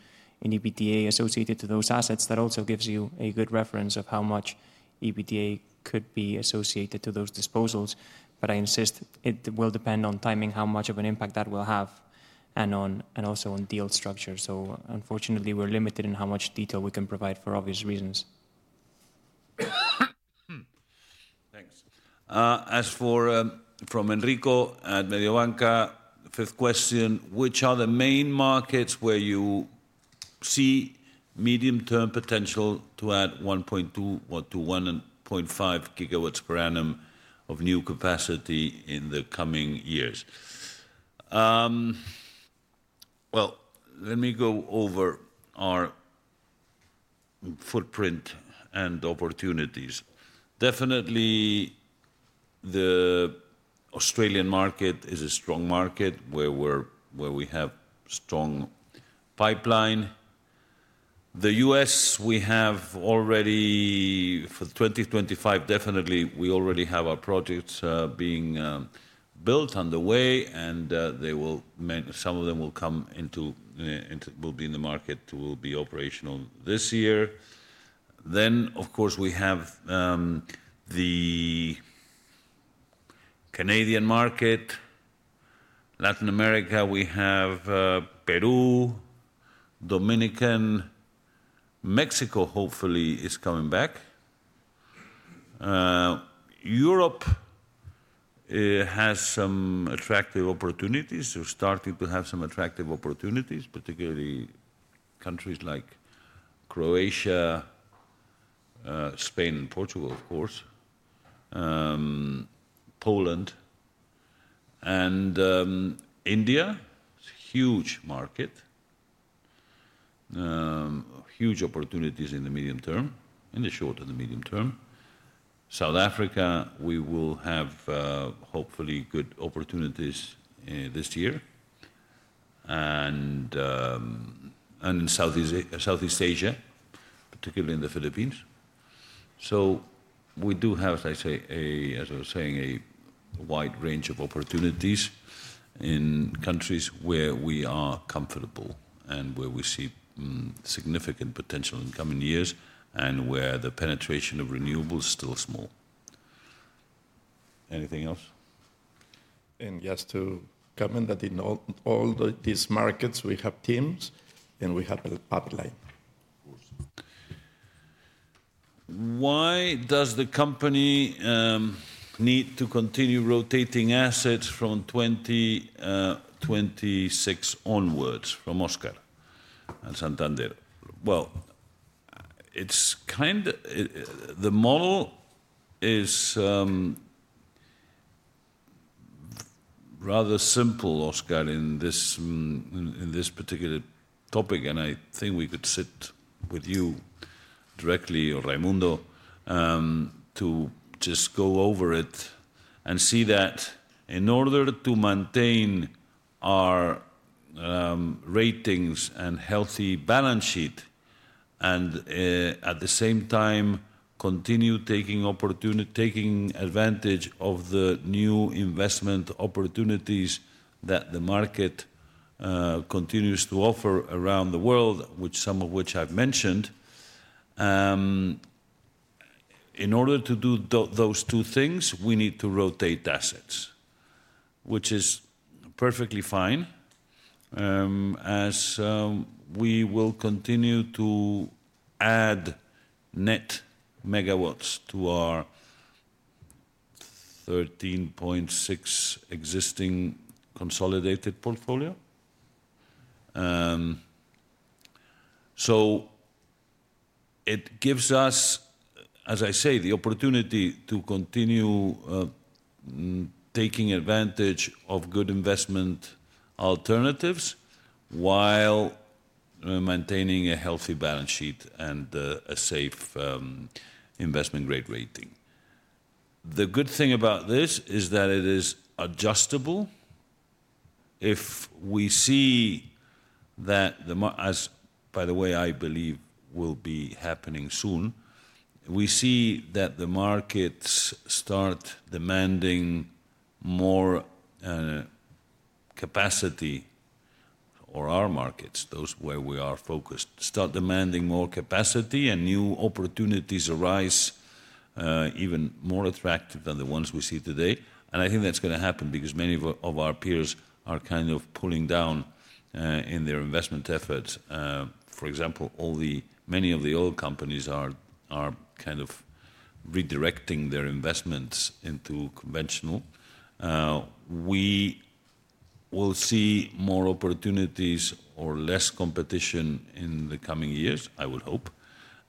EBITDA associated to those assets, that also gives you a good reference of how much EBITDA could be associated to those disposals. But I insist it will depend on timing, how much of an impact that will have, and also on deal structure. So unfortunately, we're limited in how much detail we can provide for obvious reasons. Thanks.
As for Enrico at Mediobanca, fifth question, which are the main markets where you see medium-term potential to add 1.2 GW-1.5 GW per annum of new capacity in the coming years? Well, let me go over our footprint and opportunities. Definitely, the Australian market is a strong market where we have strong pipeline. The U.S., we have already for 2025, definitely we already have our projects being built underway, and some of them will be in the market, will be operational this year. Then, of course, we have the Canadian market, Latin America, we have Peru, Dominican, Mexico hopefully is coming back. Europe has some attractive opportunities. We're starting to have some attractive opportunities, particularly countries like Croatia, Spain, and Portugal, of course, Poland, and India. It's a huge market, huge opportunities in the medium term, in the short and the medium term. South Africa, we will have hopefully good opportunities this year. In Southeast Asia, particularly in the Philippines, we do have, as I was saying, a wide range of opportunities in countries where we are comfortable and where we see significant potential in coming years and where the penetration of renewables is still small. Anything else? And just to comment that in all these markets, we have teams and we have a pipeline. Of course. Why does the company need to continue rotating assets from 2026 onwards from Óscar and Santander? Well, the model is rather simple, Óscar, in this particular topic, and I think we could sit with you directly or Raimundo to just go over it and see that in order to maintain our ratings and healthy balance sheet and at the same time continue taking advantage of the new investment opportunities that the market continues to offer around the world, which some of which I've mentioned. In order to do those two things, we need to rotate assets, which is perfectly fine as we will continue to add net megawatts to our 13.6 existing consolidated portfolio. So it gives us, as I say, the opportunity to continue taking advantage of good investment alternatives while maintaining a healthy balance sheet and a safe investment grade rating. The good thing about this is that it is adjustable. If we see that, as by the way, I believe will be happening soon, we see that the markets start demanding more capacity or our markets, those where we are focused, start demanding more capacity and new opportunities arise even more attractive than the ones we see today, and I think that's going to happen because many of our peers are kind of pulling down in their investment efforts. For example, many of the old companies are kind of redirecting their investments into conventional. We will see more opportunities or less competition in the coming years, I would hope,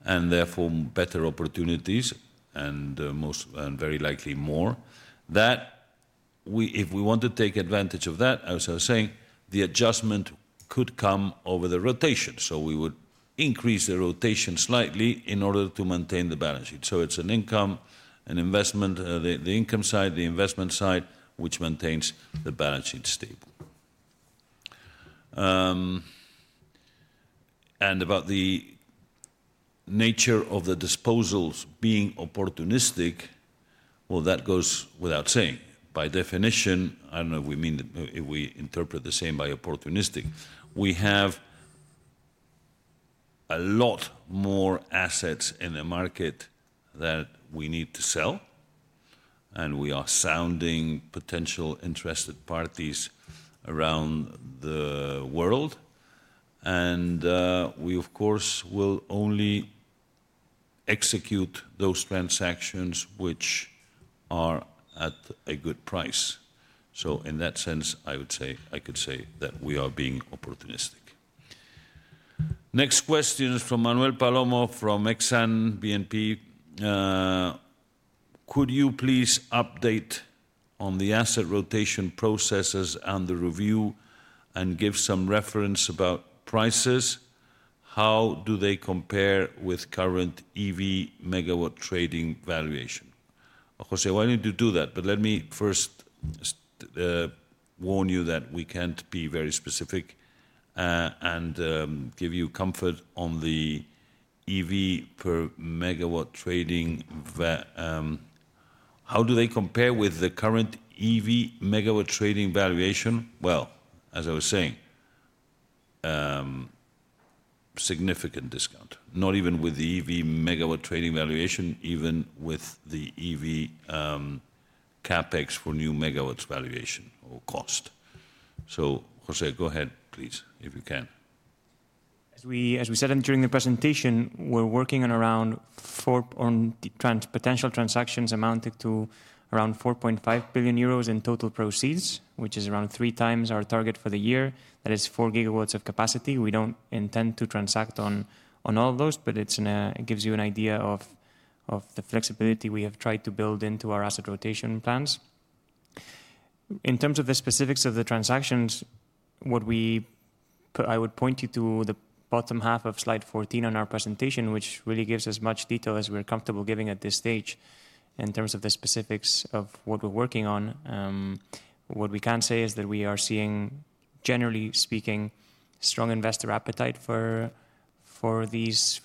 and therefore better opportunities and very likely more. If we want to take advantage of that, as I was saying, the adjustment could come over the rotation. So we would increase the rotation slightly in order to maintain the balance sheet. So it's an income, an investment, the income side, the investment side, which maintains the balance sheet stable. And about the nature of the disposals being opportunistic, well, that goes without saying. By definition, I don't know if we mean if we interpret the same by opportunistic. We have a lot more assets in the market that we need to sell, and we are sounding potential interested parties around the world. And we, of course, will only execute those transactions which are at a good price. So in that sense, I could say that we are being opportunistic. Next question is from Manuel Palomo from Exane BNP. Could you please update on the asset rotation processes and the review and give some reference about prices? How do they compare with current EV megawatt trading valuation? José, why don't you do that? But let me first warn you that we can't be very specific and give you comfort on the EV per megawatt trading. How do they compare with the current EV megawatt trading valuation? Well, as I was saying, significant discount, not even with the EV megawatt trading valuation, even with the EV CapEx for new megawatt valuation or cost. So José, go ahead, please, if you can.
As we said during the presentation, we're working on around potential transactions amounting to around 4.5 billion euros in total proceeds, which is around 3x our target for the year. That is 4 GW of capacity. We don't intend to transact on all of those, but it gives you an idea of the flexibility we have tried to build into our asset rotation plans. In terms of the specifics of the transactions, I would point you to the bottom half of slide 14 on our presentation, which really gives as much detail as we're comfortable giving at this stage in terms of the specifics of what we're working on. What we can say is that we are seeing, generally speaking, strong investor appetite for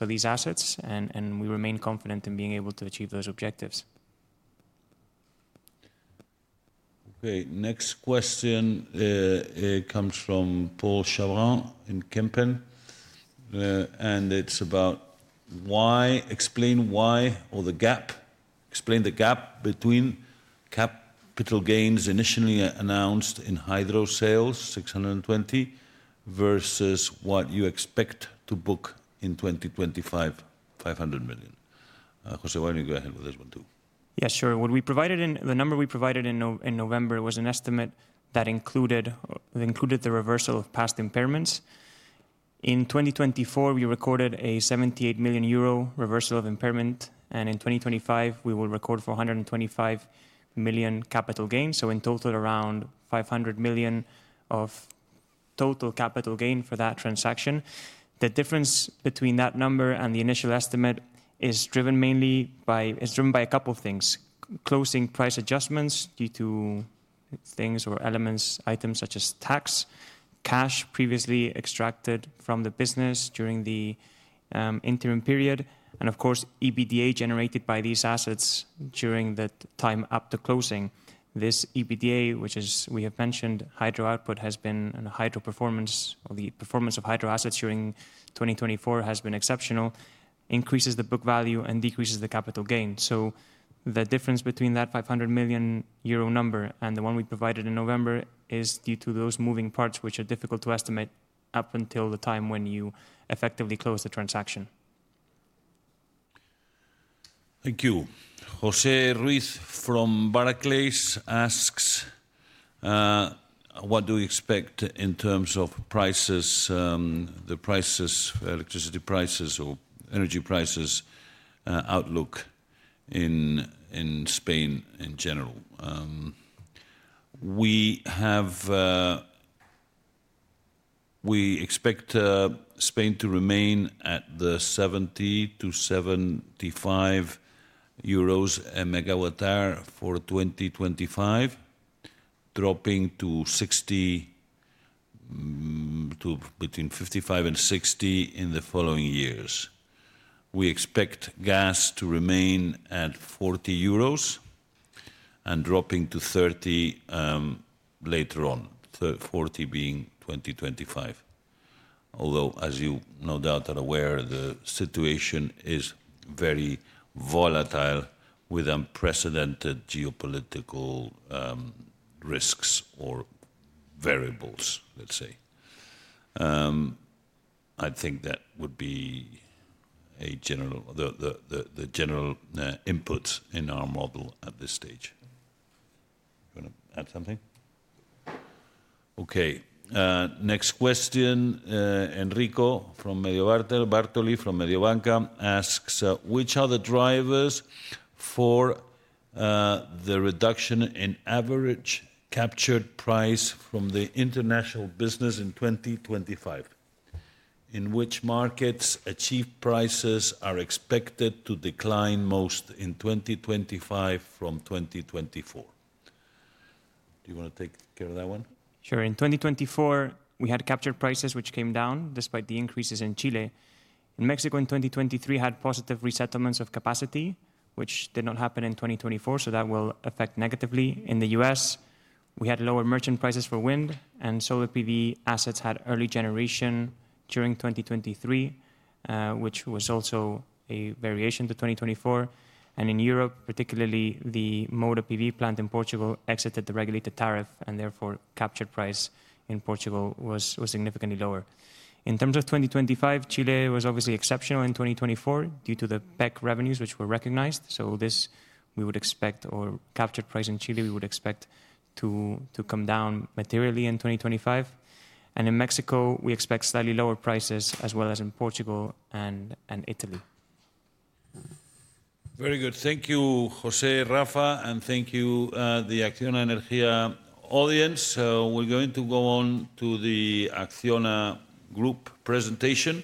these assets, and we remain confident in being able to achieve those objectives.
Okay. Next question comes from Paul Chabran in Kempen. And it's about why explain the gap between capital gains initially announced in hydro sales, 620 million, versus what you expect to book in 2025, 500 million. José, why
don't you go ahead with this one too? Yeah, sure. The number we provided in November was an estimate that included the reversal of past impairments. In 2024, we recorded a 78 million euro reversal of impairment, and in 2025, we will record 125 million capital gains. So in total, around 500 million of total capital gain for that transaction. The difference between that number and the initial estimate is driven mainly by, it's driven by a couple of things, closing price adjustments due to things or elements, items such as tax, cash previously extracted from the business during the interim period, and of course, EBITDA generated by these assets during the time up to closing. This EBITDA, which we have mentioned, hydro output has been and hydro performance or the performance of hydro assets during 2024 has been exceptional, increases the book value and decreases the capital gain. So the difference between that 500 million euro number and the one we provided in November is due to those moving parts, which are difficult to estimate up until the time when you effectively close the transaction.
Thank you. José Ruiz from Barclays asks, what do we expect in terms of prices, the prices, electricity prices or energy prices outlook in Spain in general? We expect Spain to remain at the 70-75 euros per megawatt hour for 2025, dropping to between 55 and 60 in the following years. We expect gas to remain at 40 euros and dropping to 30 later on, 40 being 2025. Although, as you no doubt are aware, the situation is very volatile with unprecedented geopolitical risks or variables, let's say. I think that would be the general input in our model at this stage. You want to add something? Okay. Next question, Enrico Bartoli from Mediobanca asks, which are the drivers for the reduction in average capture price from the international business in 2025? In which markets are achieved prices expected to decline most in 2025 from 2024? Do you want to take care of that one?
Sure. In 2024, we had capture prices which came down despite the increases in Chile. In Mexico, in 2023, had positive resettlements of capacity, which did not happen in 2024, so that will affect negatively. In the U.S., we had lower merchant prices for wind and solar PV assets had early generation during 2023, which was also a variation to 2024. In Europe, particularly the Moura PV plant in Portugal exited the regulated tariff, and therefore capture price in Portugal was significantly lower. In terms of 2025, Chile was obviously exceptional in 2024 due to the PEC revenues which were recognized. This, we would expect, or capture price in Chile, we would expect to come down materially in 2025. In Mexico, we expect slightly lower prices as well as in Portugal and Italy.
Very good. Thank you, José, Rafa, and thank you, the ACCIONA Energía audience. We're going to go on to the ACCIONA Group presentation.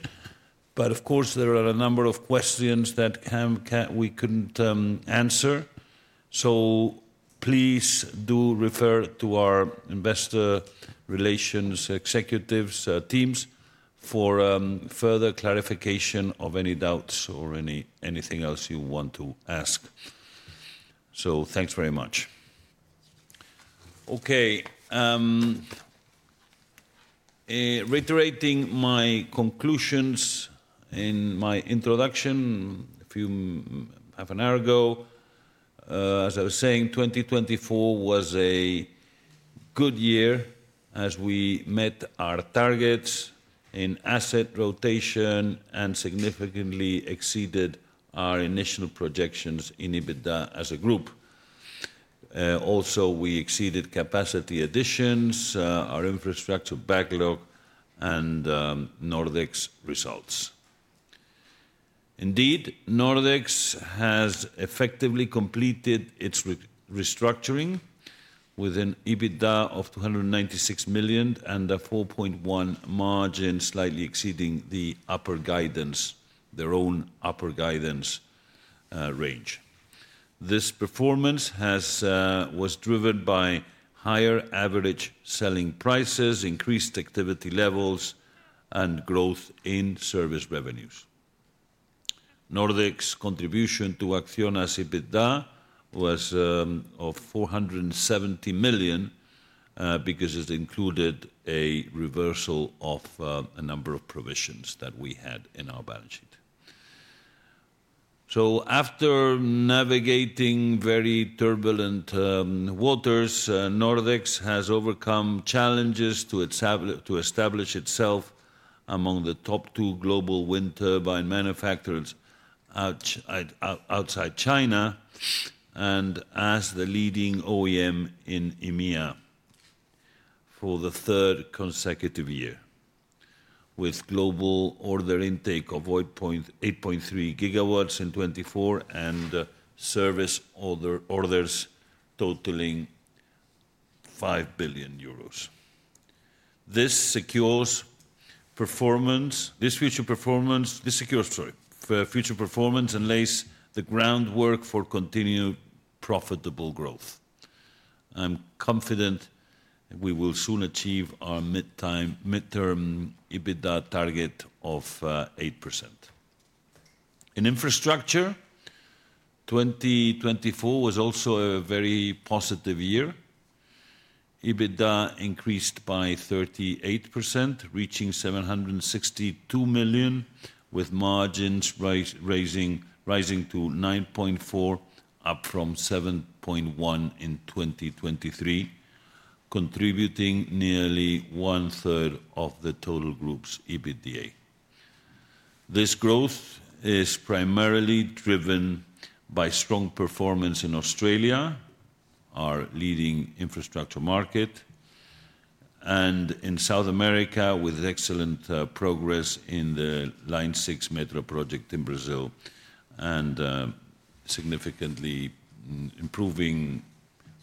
Of course, there are a number of questions that we couldn't answer. Please do refer to our investor relations executives teams for further clarification of any doubts or anything else you want to ask. Thanks very much. Okay. Reiterating my conclusions in my introduction half an hour ago, as I was saying, 2024 was a good year as we met our targets in asset rotation and significantly exceeded our initial projections in EBITDA as a group. Also, we exceeded capacity additions, our infrastructure backlog, and Nordex results. Indeed, Nordex has effectively completed its restructuring with an EBITDA of 296 million and a 4.1% margin slightly exceeding the upper guidance, their own upper guidance range. This performance was driven by higher average selling prices, increased activity levels, and growth in service revenues. Nordex contribution to ACCIONA's EBITDA was 470 million because it included a reversal of a number of provisions that we had in our balance sheet. After navigating very turbulent waters, Nordex has overcome challenges to establish itself among the top two global wind turbine manufacturers outside China and as the leading OEM in EMEA for the third consecutive year, with global order intake of 8.3 GW in 2024 and service orders totaling EUR 5 billion. This future performance lays the groundwork for continued profitable growth. I'm confident we will soon achieve our midterm EBITDA target of 8%. In infrastructure, 2024 was also a very positive year. EBITDA increased by 38%, reaching 762 million, with margins rising to 9.4%, up from 7.1% in 2023, contributing nearly one-third of the total group's EBITDA. This growth is primarily driven by strong performance in Australia, our leading infrastructure market, and in South America, with excellent progress in the Line 6 Metro project in Brazil and significantly improving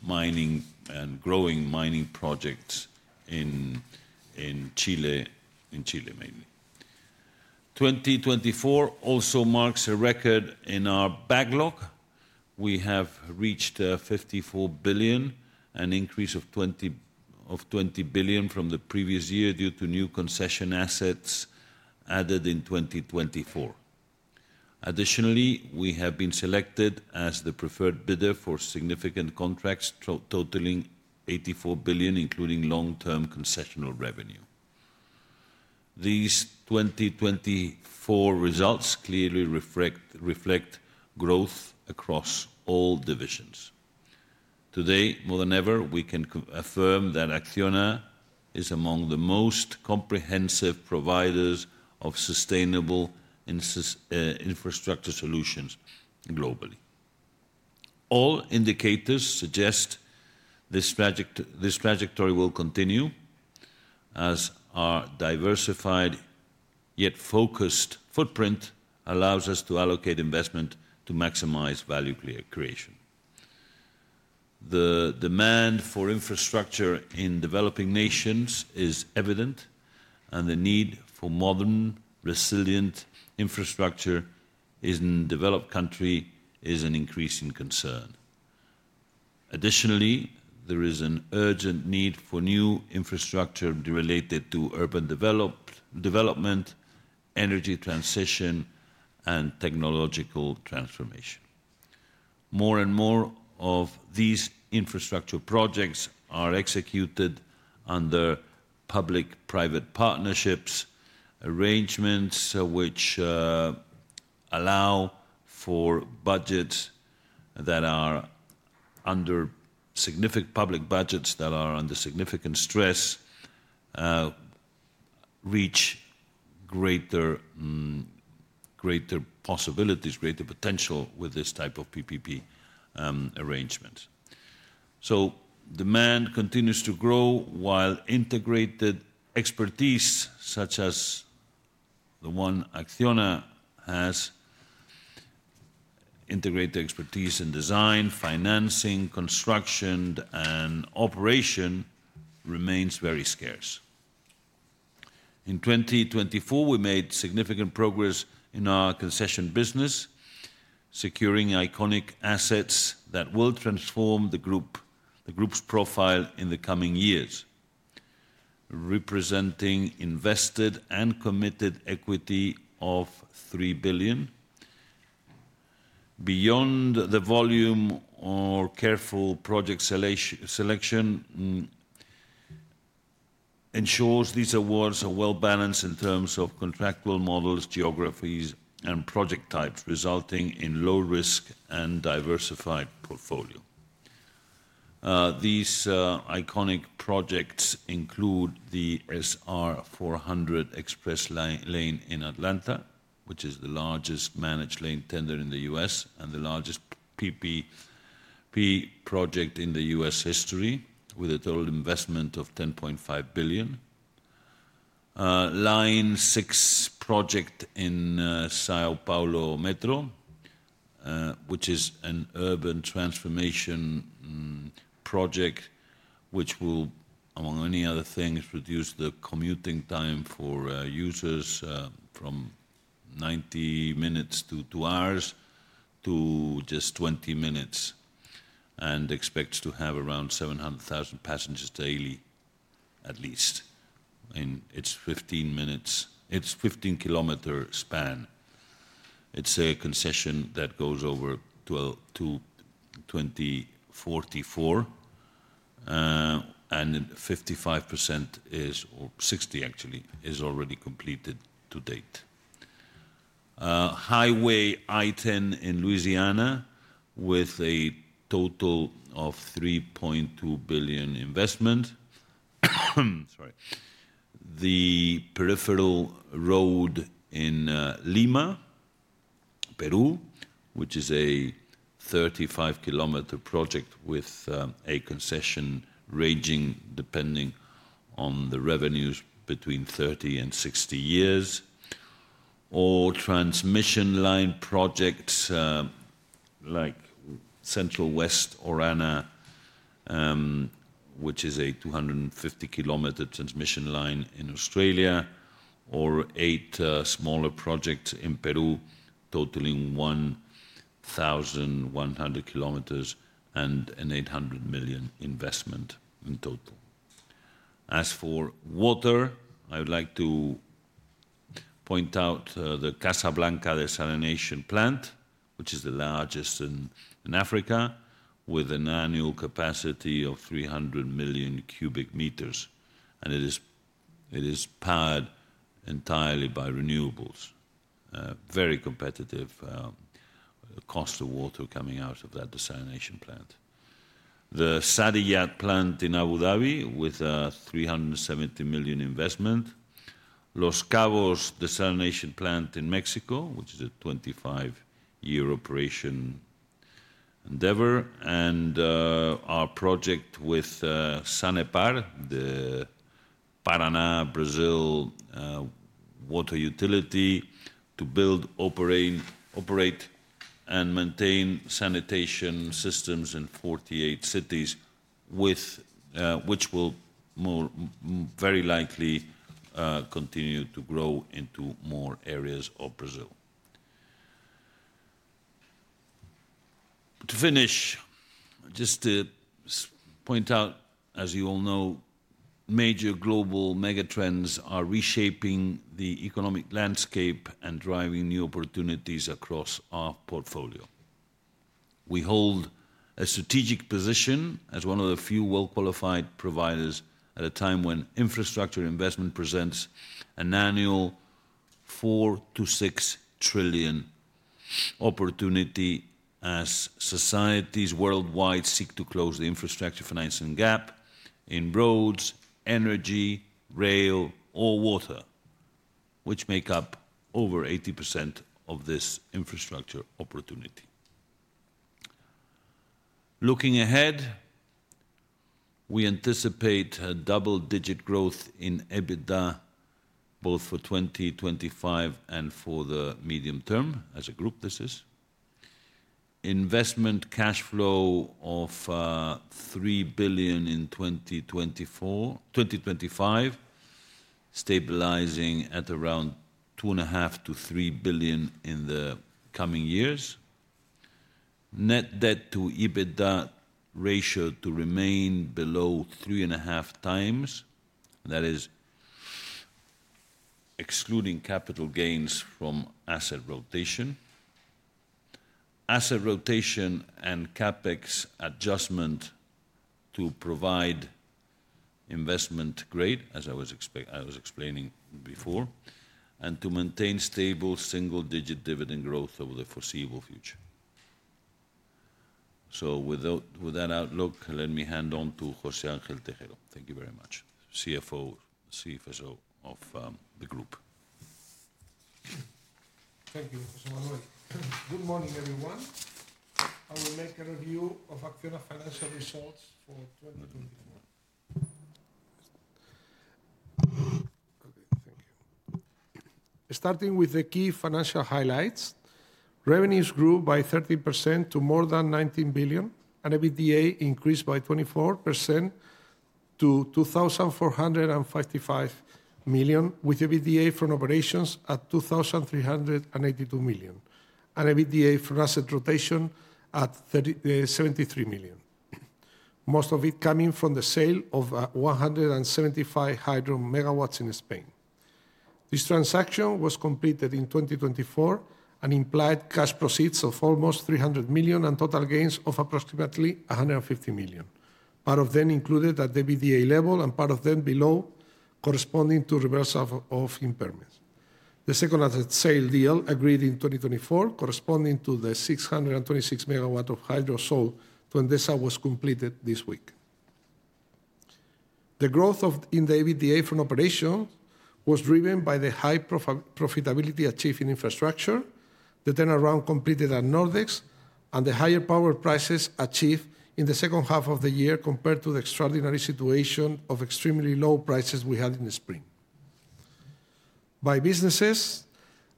mining and growing mining projects in Chile, mainly. 2024 also marks a record in our backlog. We have reached 54 billion, an increase of 20 billion from the previous year due to new concession assets added in 2024. Additionally, we have been selected as the preferred bidder for significant contracts totaling 84 billion, including long-term concessional revenue. These 2024 results clearly reflect growth across all divisions. Today, more than ever, we can affirm that ACCIONA is among the most comprehensive providers of sustainable infrastructure solutions globally. All indicators suggest this trajectory will continue, as our diversified yet focused footprint allows us to allocate investment to maximize value creation. The demand for infrastructure in developing nations is evident, and the need for modern, resilient infrastructure in developed countries is an increasing concern. Additionally, there is an urgent need for new infrastructure related to urban development, energy transition, and technological transformation. More and more of these infrastructure projects are executed under public-private partnerships arrangements, which allow for budgets that are under significant stress to reach greater possibilities, greater potential with this type of PPP arrangement. So demand continues to grow while integrated expertise, such as the one ACCIONA has, in design, financing, construction, and operation remains very scarce. In 2024, we made significant progress in our concession business, securing iconic assets that will transform the group's profile in the coming years, representing invested and committed equity of 3 billion. Beyond the volume, our careful project selection ensures these awards are well-balanced in terms of contractual models, geographies, and project types, resulting in low-risk and diversified portfolio. These iconic projects include the SR 400 Express Lanes in Atlanta, which is the largest managed lane tender in the U.S. and the largest PPP project in the U.S. history, with a total investment of 10.5 billion. Line 6 project in São Paulo Metro, which is an urban transformation project which will, among many other things, reduce the commuting time for users from 90 minutes to 2 hours to just 20 minutes and expects to have around 700,000 passengers daily, at least. I mean, it's 15 km span. It's a concession that goes over 2044, and 55% is, or 60% actually, is already completed to date. I-10 in Louisiana with a total of 3.2 billion investment. Sorry. The Peripheral Road in Lima, Peru, which is a 35 km project with a concession ranging depending on the revenues between 30 and 60 years, or transmission line projects like Central-West Orana, which is a 250 km transmission line in Australia, or eight smaller projects in Peru totaling 1,100 km and an 800 million investment in total. As for water, I would like to point out the Casablanca Desalination Plant, which is the largest in Africa with an annual capacity of 300 million cubic meters, and it is powered entirely by renewables. Very competitive cost of water coming out of that desalination plant. The Saadiyat Plant in Abu Dhabi with a 370 million investment. Los Cabos Desalination Plant in Mexico, which is a 25-year operation endeavor, and our project with Sanepar, the Paraná, Brazil water utility to build, operate, and maintain sanitation systems in 48 cities, which will very likely continue to grow into more areas of Brazil. To finish, just to point out, as you all know, major global megatrends are reshaping the economic landscape and driving new opportunities across our portfolio. We hold a strategic position as one of the few well-qualified providers at a time when infrastructure investment presents an annual 4 trillion-6 trillion opportunity as societies worldwide seek to close the infrastructure financing gap in roads, energy, rail, or water, which make up over 80% of this infrastructure opportunity. Looking ahead, we anticipate a double-digit growth in EBITDA both for 2025 and for the medium term, as a group this is. Investment cash flow of 3 billion in 2025, stabilizing at around 2.5 billion-3 billion in the coming years. Net debt to EBITDA ratio to remain below 3.5x, that is, excluding capital gains from asset rotation. asset rotation and CapEx adjustment to provide investment grade, as I was explaining before, and to maintain stable single-digit dividend growth over the foreseeable future. So with that outlook, let me hand over to José Ángel Tejero. Thank you very much, CFO of the group.
Thank you, José Manuel. Good morning, everyone. I will make a review of ACCIONA's financial results for 2024. Okay, thank you. Starting with the key financial highlights, revenues grew by 30% to more than 19 billion, and EBITDA increased by 24% to 2,455 million, with EBITDA from operations at 2,382 million, and EBITDA from asset rotation at 73 million, most of it coming from the sale of 175 hydro megawatts in Spain. This transaction was completed in 2024 and implied cash proceeds of almost 300 million and total gains of approximately 150 million. Part of them included at EBITDA level and part of them below, corresponding to reversal of impairments. The second asset sale deal agreed in 2024, corresponding to the 626 MW of hydro sold to Endesa was completed this week. The growth in the EBITDA from operations was driven by the high profitability achieved in infrastructure, the turnaround completed at Nordex, and the higher power prices achieved in the second half of the year compared to the extraordinary situation of extremely low prices we had in the spring. By businesses,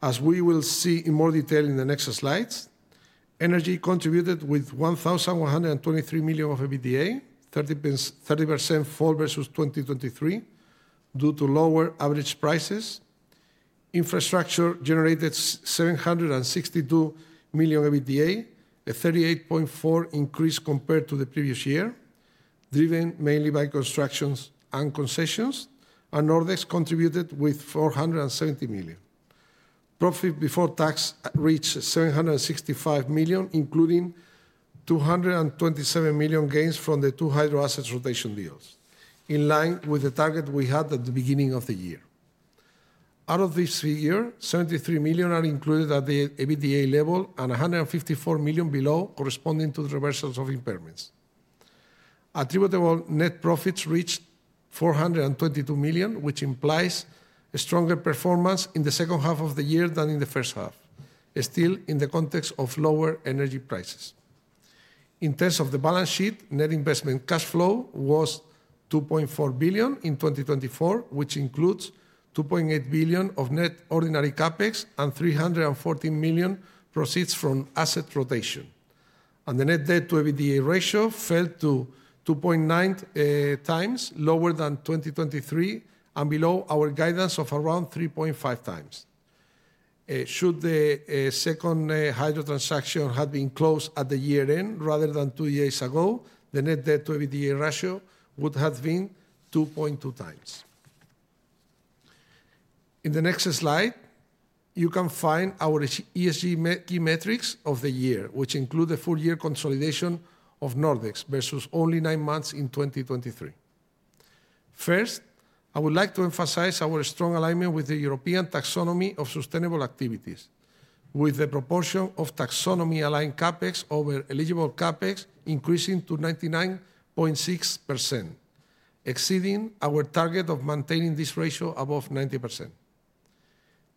as we will see in more detail in the next slides, energy contributed with 1,123 million of EBITDA, 30% fall versus 2023 due to lower average prices. Infrastructure generated 762 million EBITDA, a 38.4% increase compared to the previous year, driven mainly by constructions and concessions, and Nordex contributed with 470 million. Profit before tax reached 765 million, including 227 million gains from the two hydro assets rotation deals, in line with the target we had at the beginning of the year. Out of this figure, 73 million are included at the EBITDA level and 154 million below, corresponding to the reversals of impairments. Attributable net profits reached 422 million, which implies a stronger performance in the second half of the year than in the first half, still in the context of lower energy prices. In terms of the balance sheet, net investment cash flow was 2.4 billion in 2024, which includes 2.8 billion of net ordinary CapEx and 314 million proceeds from asset rotation. The net debt to EBITDA ratio fell to 2.9x, lower than 2023 and below our guidance of around 3.5x. Should the second hydro transaction have been closed at the year-end rather than two years ago, the net debt to EBITDA ratio would have been 2.2x. In the next slide, you can find our ESG key metrics of the year, which include the full-year consolidation of Nordex versus only nine months in 2023. First, I would like to emphasize our strong alignment with the European Taxonomy of sustainable activities, with the proportion of taxonomy-aligned CapEx over eligible CapEx increasing to 99.6%, exceeding our target of maintaining this ratio above 90%.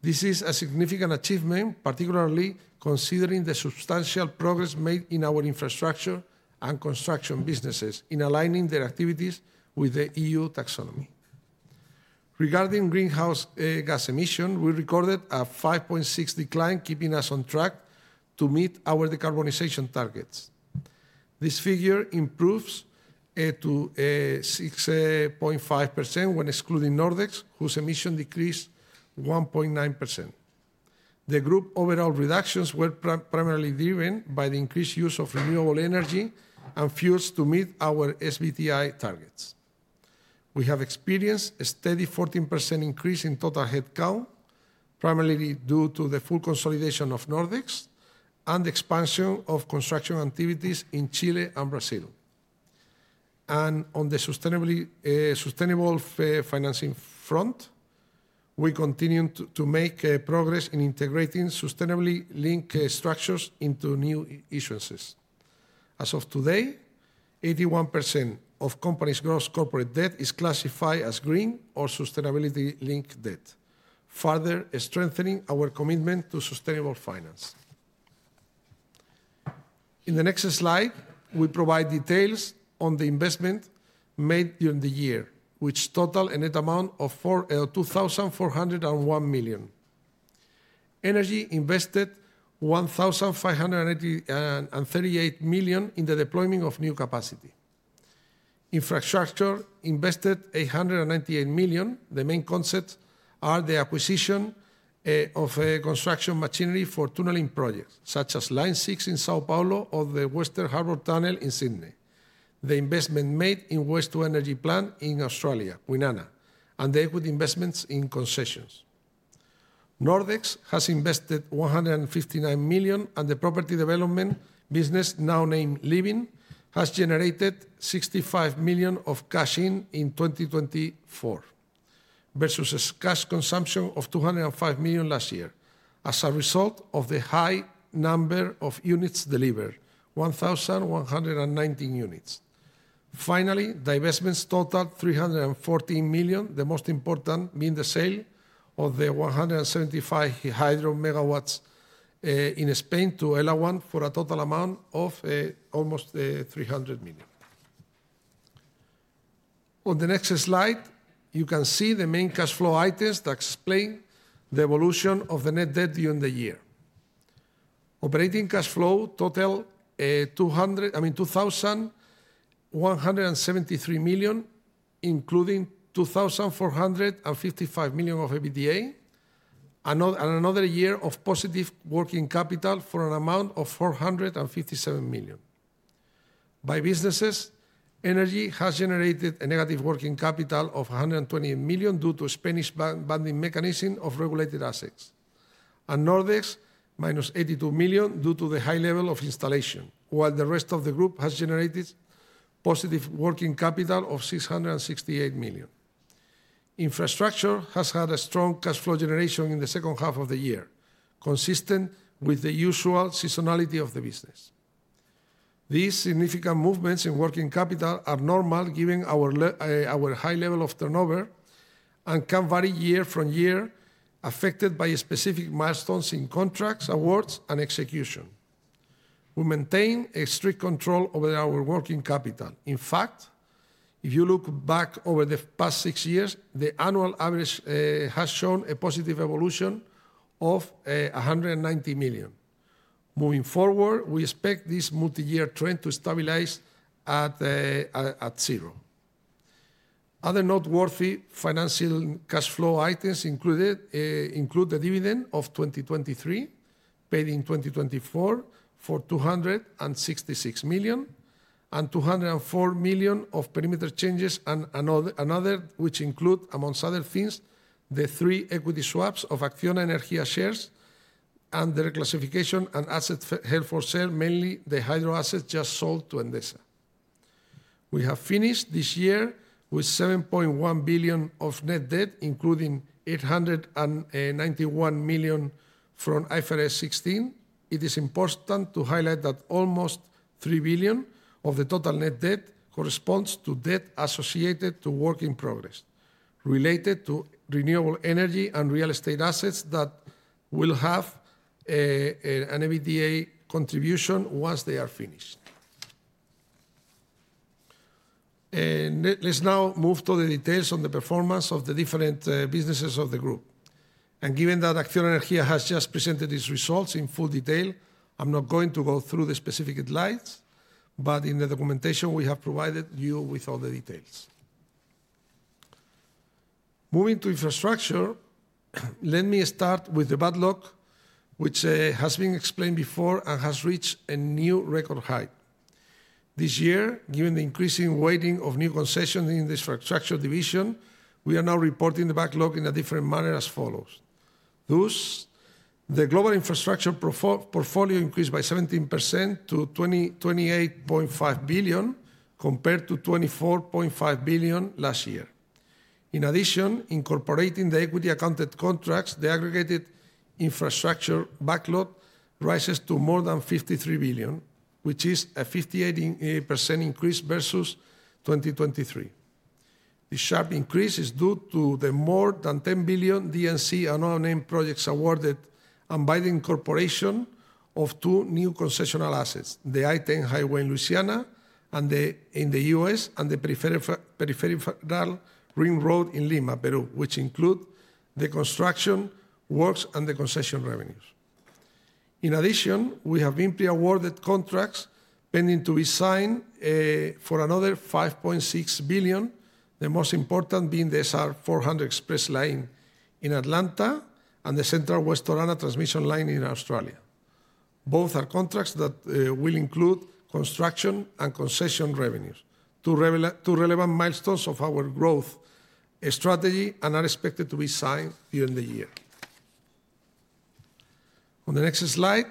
This is a significant achievement, particularly considering the substantial progress made in our infrastructure and construction businesses in aligning their activities with the EU Taxonomy. Regarding greenhouse gas emissions, we recorded a 5.6% decline, keeping us on track to meet our decarbonization targets. This figure improves to 6.5% when excluding Nordex, whose emissions decreased 1.9%. The group overall reductions were primarily driven by the increased use of renewable energy and fuels to meet our SBTi targets. We have experienced a steady 14% increase in total headcount, primarily due to the full consolidation of Nordex and the expansion of construction activities in Chile and Brazil. And on the sustainable financing front, we continue to make progress in integrating sustainably linked structures into new issuances. As of today, 81% of company's gross corporate debt is classified as green or sustainability-linked debt, further strengthening our commitment to sustainable finance. In the next slide, we provide details on the investment made during the year, which totaled a net amount of 2,401 million. Energy invested 1,538 million in the deployment of new capacity. Infrastructure invested 898 million. The main concepts are the acquisition of construction machinery for tunneling projects, such as Line 6 in São Paulo or the Western Harbour Tunnel in Sydney, the investment made in Waste-to-Energy Plant in Australia, Kwinana, and the equity investments in concessions. Nordex has invested 159 million, and the property development business, now named Living, has generated 65 million of cash in 2024 versus a cash consumption of 205 million last year as a result of the high number of units delivered, 1,119 units. Finally, the investments totaled 314 million, the most important being the sale of the 175 hydro megawatts in Spain to Elawan for a total amount of almost 300 million. On the next slide, you can see the main cash flow items that explain the evolution of the net debt during the year. Operating cash flow totaled 2,173 million, including 2,455 million of EBITDA, and another year of positive working capital for an amount of 457 million. By businesses, energy has generated a negative working capital of 120 million due to a Spanish bonding mechanism of regulated assets, and Nordex -82 million due to the high level of installation, while the rest of the group has generated positive working capital of 668 million. Infrastructure has had a strong cash flow generation in the second half of the year, consistent with the usual seasonality of the business. These significant movements in working capital are normal given our high level of turnover and can vary year from year, affected by specific milestones in contracts, awards, and execution. We maintain a strict control over our working capital. In fact, if you look back over the past six years, the annual average has shown a positive evolution of 190 million. Moving forward, we expect this multi-year trend to stabilize at zero. Other noteworthy financial cash flow items include the dividend of 2023 paid in 2024 for 266 million and 204 million of perimeter changes and others, which include, among other things, the three equity swaps of ACCIONA Energía shares and the reclassification of assets held for sale, mainly the hydro assets just sold to Endesa. We have finished this year with 7.1 billion of net debt, including 891 million from IFRS 16. It is important to highlight that almost 3 billion of the total net debt corresponds to debt associated to work in progress related to renewable energy and real estate assets that will have an EBITDA contribution once they are finished. Let's now move to the details on the performance of the different businesses of the group. Given that ACCIONA Energía has just presented its results in full detail, I'm not going to go through the specific slides, but in the documentation, we have provided you with all the details. Moving to infrastructure, let me start with the backlog, which has been explained before and has reached a new record high. This year, given the increasing weighting of new concessions in the infrastructure division, we are now reporting the backlog in a different manner as follows. The global infrastructure portfolio increased by 17% to 28.5 billion compared to 24.5 billion last year. In addition, incorporating the equity-accounted contracts, the aggregated infrastructure backlog rises to more than 53 billion, which is a 58% increase versus 2023. The sharp increase is due to the more than 10 billion D&C unowned projects awarded and binding concession of two new concessional assets, the I-10 Highway in Louisiana and in the U.S. and the Peripheral Ring Road in Lima, Peru, which include the construction works and the concession revenues. In addition, we have been pre-awarded contracts pending to be signed for another 5.6 billion, the most important being the SR 400 Express Lanes in Atlanta and the Central-West Orana Transmission Line in Australia. Both are contracts that will include construction and concession revenues, two relevant milestones of our growth strategy and are expected to be signed during the year. On the next slide,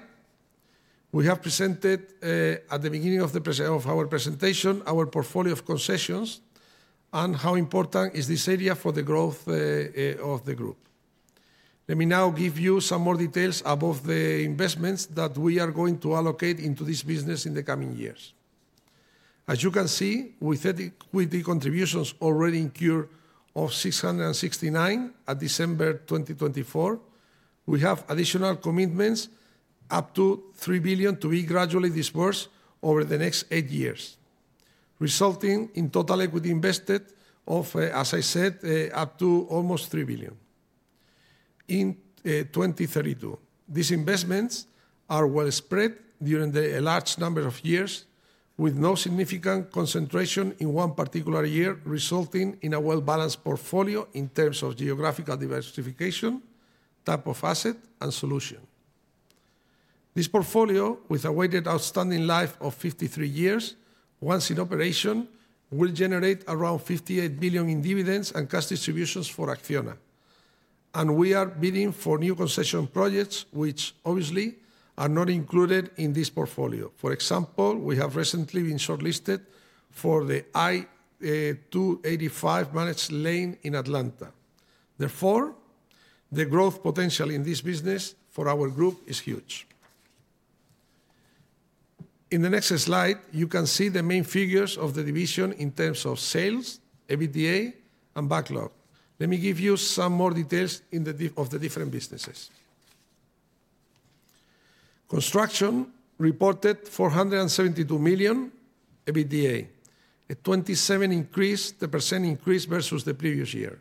we have presented at the beginning of our presentation our portfolio of concessions and how important is this area for the growth of the group. Let me now give you some more details about the investments that we are going to allocate into this business in the coming years. As you can see, with equity contributions already incurred of 669 million at December 2024, we have additional commitments up to 3 billion to be gradually disbursed over the next eight years, resulting in total equity invested of, as I said, up to almost 3 billion in 2032. These investments are well spread during the large number of years, with no significant concentration in one particular year, resulting in a well-balanced portfolio in terms of geographical diversification, type of asset, and solution. This portfolio, with a weighted outstanding life of 53 years, once in operation, will generate around 58 billion in dividends and cash distributions for ACCIONA. We are bidding for new concession projects, which obviously are not included in this portfolio. For example, we have recently been shortlisted for the I-285 managed lane in Atlanta. Therefore, the growth potential in this business for our group is huge. In the next slide, you can see the main figures of the division in terms of sales, EBITDA, and backlog. Let me give you some more details of the different businesses. Construction reportedEUR 472 million EBITDA, a 27% increase versus the previous year,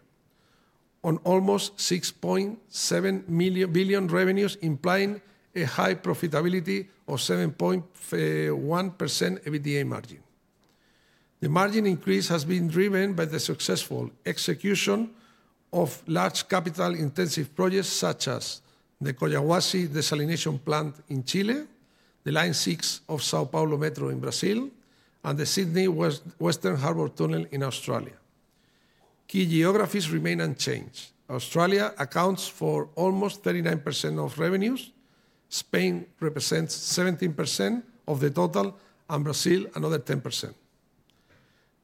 on almostEUR 6.7 billion revenues, implying a high profitability of 7.1% EBITDA margin. The margin increase has been driven by the successful execution of large capital-intensive projects such as the Collahuasi desalination plant in Chile, the Line 6 of São Paulo Metro in Brazil, and the Sydney Western Harbour Tunnel in Australia. Key geographies remain unchanged. Australia accounts for almost 39% of revenues. Spain represents 17% of the total, and Brazil another 10%.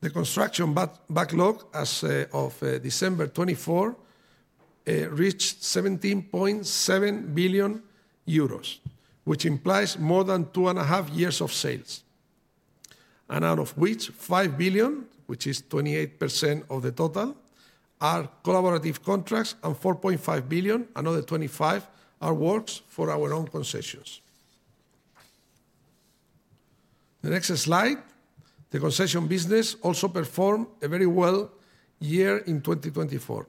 The construction backlog as of December 24 reached 17.7 billion euros, which implies more than two and a half years of sales, and out of which, 5 billion, which is 28% of the total, are collaborative contracts, and 4.5 billion, another 25%, are works for our own concessions. The next slide. The concession business also performed very well in 2024,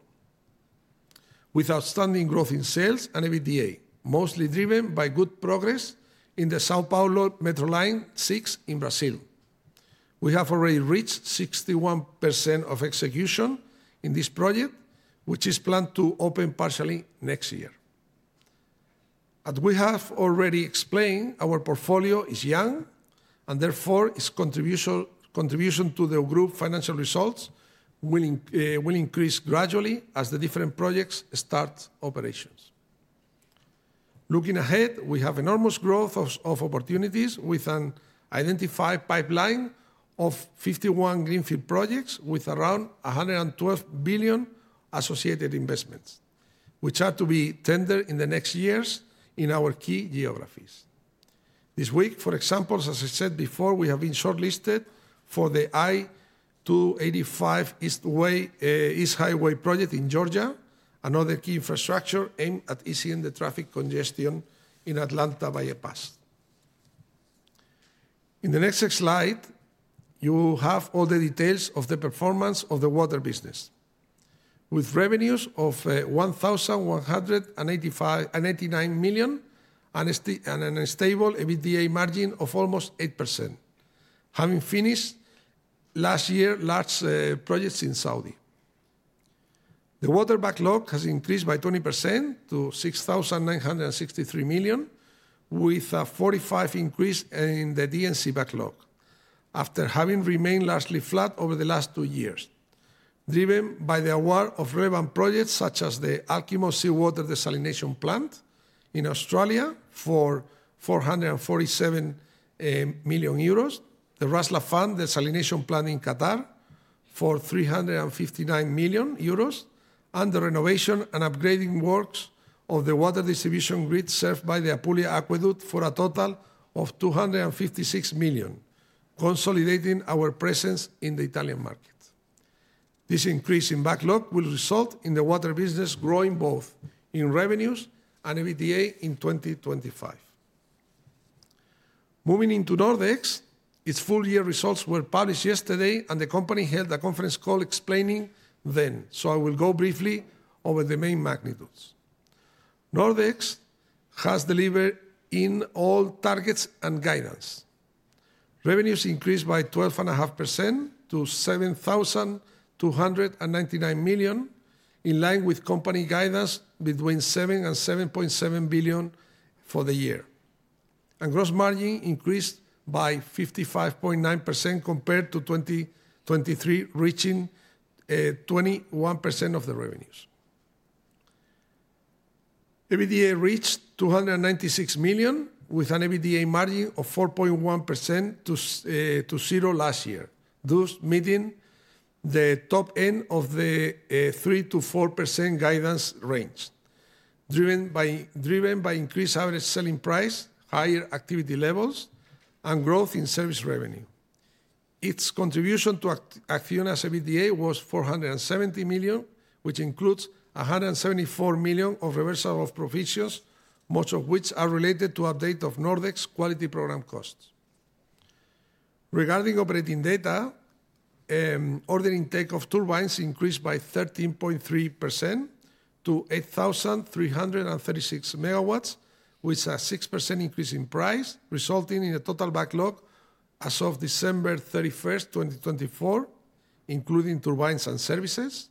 with outstanding growth in sales and EBITDA, mostly driven by good progress in the São Paulo Metro Line 6 in Brazil. We have already reached 61% of execution in this project, which is planned to open partially next year. As we have already explained, our portfolio is young, and therefore, its contribution to the group financial results will increase gradually as the different projects start operations. Looking ahead, we have enormous growth of opportunities with an identified pipeline of 51 greenfield projects with around 112 billion associated investments, which are to be tendered in the next years in our key geographies. This week, for example, as I said before, we have been shortlisted for the I-285 East Highway project in Georgia, another key infrastructure aimed at easing the traffic congestion in Atlanta bypass. In the next slide, you will have all the details of the performance of the water business, with revenues of 1,189 million and a stable EBITDA margin of almost 8%, having finished last year's large projects in Saudi. The water backlog has increased by 20% to 6,963 million, with a 45% increase in the D&C backlog after having remained largely flat over the last two years, driven by the award of relevant projects such as the Alkimos Seawater Desalination Plant in Australia for 447 million euros, the Ras Laffan Desalination Plant in Qatar for 359 million euros, and the renovation and upgrading works of the water distribution grid served by the Apulia Aqueduct for a total of 256 million, consolidating our presence in the Italian market. This increase in backlog will result in the water business growing both in revenues and EBITDA in 2025. Moving into Nordex, its full year results were published yesterday, and the company held a conference call explaining them, so I will go briefly over the main magnitudes. Nordex has delivered in all targets and guidance. Revenues increased by 12.5% to 7,299 million, in line with company guidance between 7 billion and 7.7 billion for the year, and gross margin increased by 55.9% compared to 2023, reaching 21% of the revenues. EBITDA reached 296 million, with an EBITDA margin of 4.1% to zero last year, thus meeting the top end of the 3%-4% guidance range, driven by increased average selling price, higher activity levels, and growth in service revenue. Its contribution to ACCIONA's EBITDA was 470 million, which includes 174 million of reversal of provisions, most of which are related to update of Nordex quality program costs. Regarding operating data, order intake turbines increased by 13.3% to 8,336 MW, with a 6% increase in price, resulting in a total backlog as of December 31st, 2024, including turbines and services,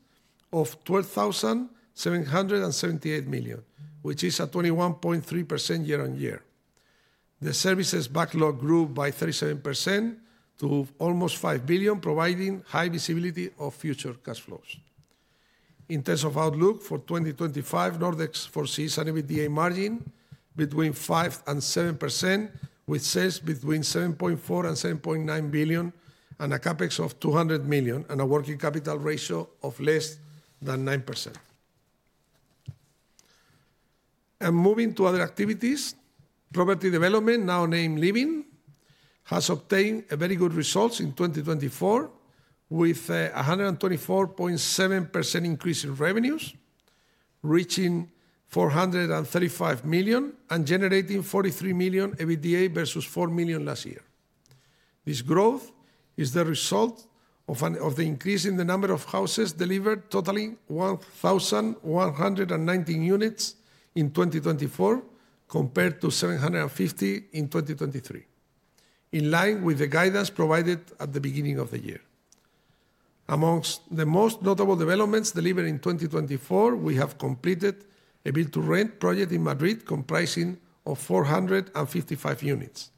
of 12,778 million, which is a 21.3% year on year. The services backlog grew by 37% to almost 5 billion, providing high visibility of future cash flows. In terms of outlook for 2025, Nordex foresees an EBITDA margin between 5% and 7%, with sales between 7.4 billion and 7.9 billion, and a CapEx of 200 million, and a working capital ratio of less than 9%. And moving to other activities, property development, now named Living, has obtained very good results in 2024, with a 124.7% increase in revenues, reaching 435 million and generating 43 million EBITDA versus 4 million last year. This growth is the result of the increase in the number of houses delivered, totaling 1,119 units in 2024 compared to 750 in 2023, in line with the guidance provided at the beginning of the year. Among the most notable developments delivered in 2024, we have completed a build-to-rent project in Madrid comprising 455 units.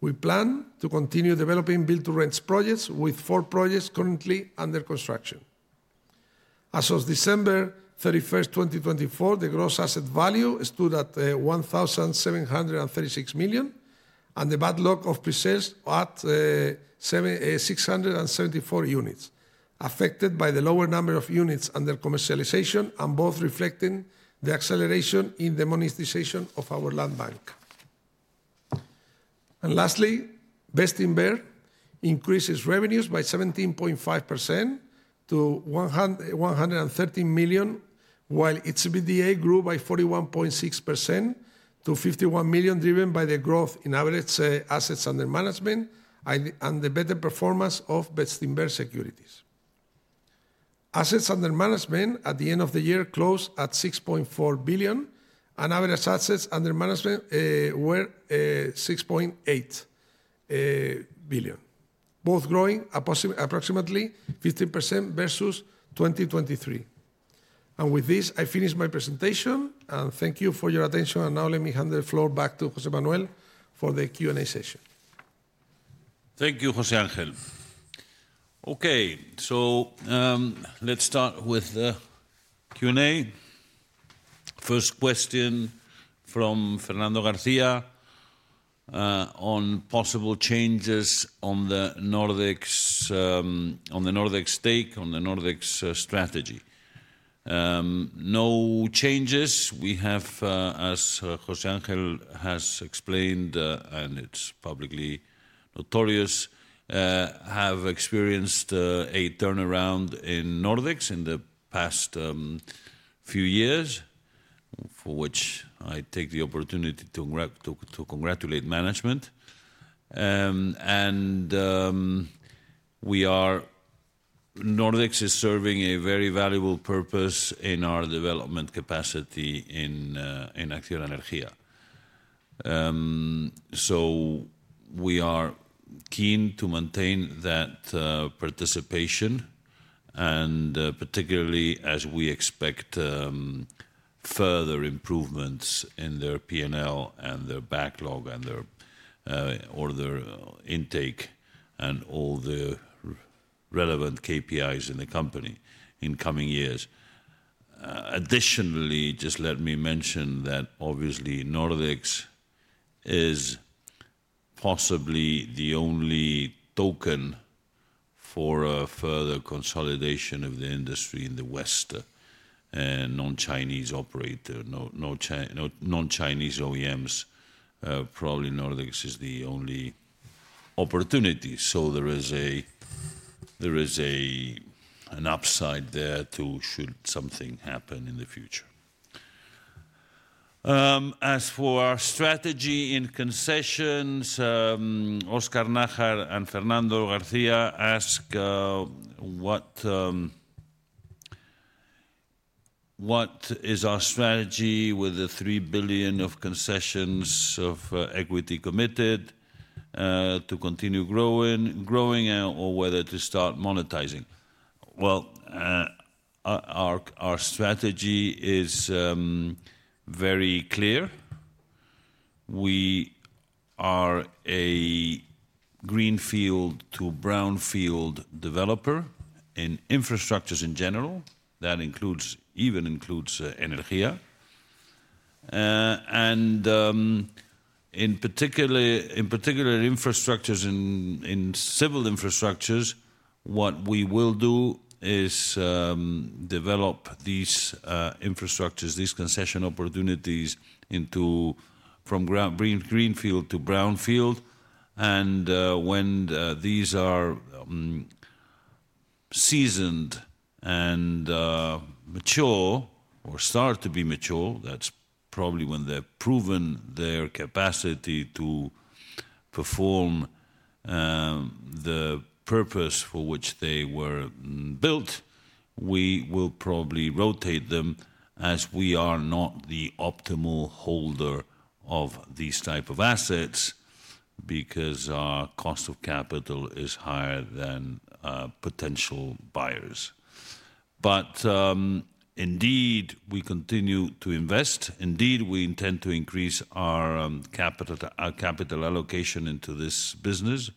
We plan to continue developing build-to-rent projects with four projects currently under construction. As of December 31st, 2024, the gross asset value stood at 1,736 million, and the backlog of pre-sales at 674 units, affected by the lower number of units under commercialization, and both reflecting the acceleration in the monetization of our land bank. Lastly, BESTINVER increases revenues by 17.5% to 113 million, while its EBITDA grew by 41.6% to 51 million, driven by the growth in average assets under management and the better performance of BESTINVER securities. Assets under management at the end of the year closed at 6.4 billion, and average assets under management were 6.8 billion, both growing approximately 15% versus 2023. With this, I finish my presentation, and thank you for your attention. Now let me hand the floor back to José Manuel for the Q&A session.
Thank you, José Ángel. Okay, so let's start with the Q&A. First question from Fernando García on possible changes on the Nordex stake, on the Nordex strategy. No changes. We have, as José Ángel has explained, and it's publicly notorious, experienced a turnaround in Nordex in the past few years, for which I take the opportunity to congratulate management. And Nordex is serving a very valuable purpose in our development capacity in ACCIONA Energía. So we are keen to maintain that participation, and particularly as we expect further improvements in their P&L and their backlog and their order intake and all the relevant KPIs in the company in coming years. Additionally, just let me mention that obviously Nordex is possibly the only token for further consolidation of the industry in the West, non-Chinese operator, non-Chinese OEMs. Probably Nordex is the only opportunity. There is an upside there too should something happen in the future. As for our strategy in concessions, and Fernando García ask what is our strategy with the 3 billion of concessions of equity committed to continue growing or whether to start monetizing. Our strategy is very clear. We are a greenfield to brownfield developer in infrastructures in general. That even includes Energía. In particular, in infrastructures, in civil infrastructures, what we will do is develop these infrastructures, these concession opportunities from greenfield to brownfield. And when these are seasoned and mature or start to be mature, that's probably when they've proven their capacity to perform the purpose for which they were built, we will probably rotate them as we are not the optimal holder of these types of assets because our cost of capital is higher than potential buyers. Indeed, we continue to invest. Indeed, we intend to increase our capital allocation into this business.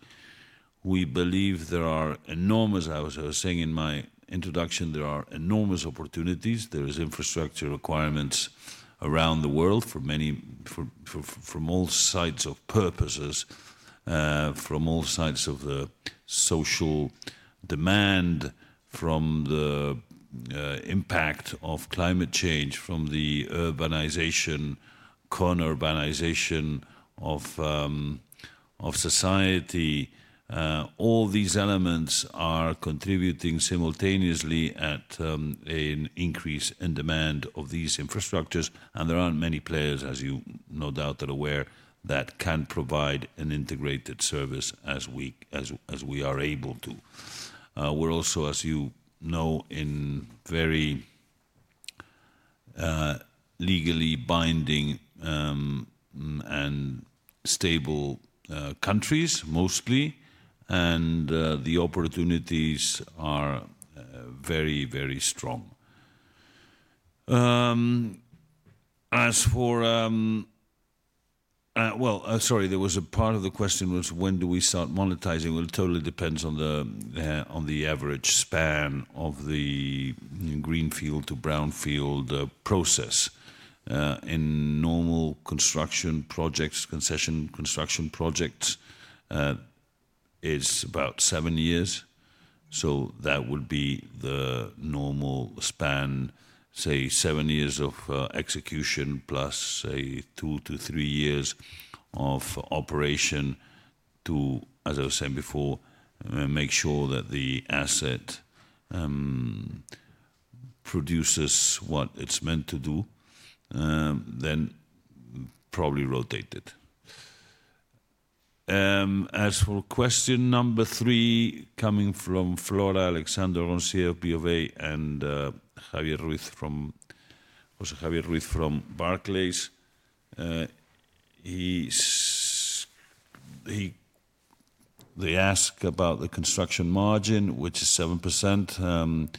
We believe there are enormous, as I was saying in my introduction, there are enormous opportunities. There are infrastructure requirements around the world from all sorts of purposes, from all sorts of the social demand, from the impact of climate change, from the urbanization, suburbanization of society. All these elements are contributing simultaneously at an increase in demand of these infrastructures. There aren't many players, as you no doubt are aware, that can provide an integrated service as we are able to. We're also, as you know, in very legally binding and stable countries, mostly, and the opportunities are very, very strong. As for, well, sorry, there was a part of the question was, when do we start monetizing? It totally depends on the average span of the greenfield to brownfield process. In normal construction projects, concession construction projects, it's about seven years. So that would be the normal span, say, seven years of execution plus say two to three years of operation to, as I was saying before, make sure that the asset produces what it's meant to do, then probably rotate it. As for question number three, coming from Flora, Alexandre Roncier of B of A and Javier Ruiz from Barclays, they ask about the construction margin, which is 7%,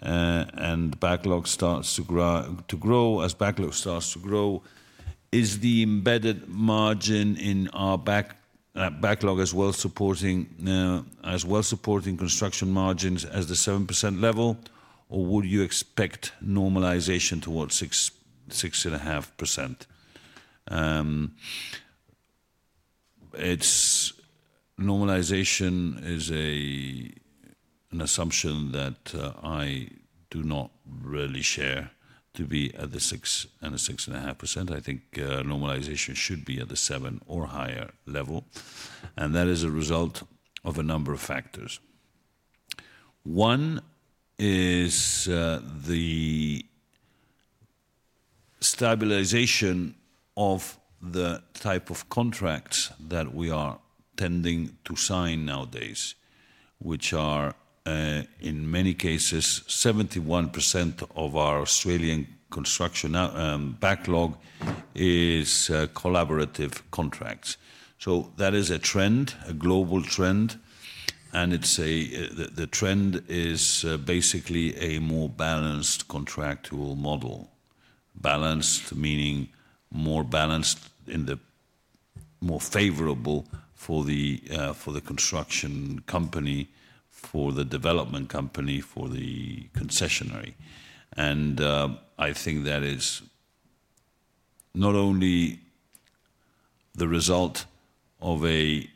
and backlog starts to grow. As backlog starts to grow, is the embedded margin in our backlog as well supporting construction margins as the 7% level, or would you expect normalization towards 6.5%? Normalization is an assumption that I do not really share to be at the 6.5%. I think normalization should be at the seven or higher level. And that is a result of a number of factors. One is the stabilization of the type of contracts that we are tending to sign nowadays, which are in many cases 71% of our Australian construction backlog is collaborative contracts. So that is a trend, a global trend, and the trend is basically a more balanced contractual model. Balanced meaning more balanced in the more favorable for the construction company, for the development company, for the concessionary. And I think that is not only the result of a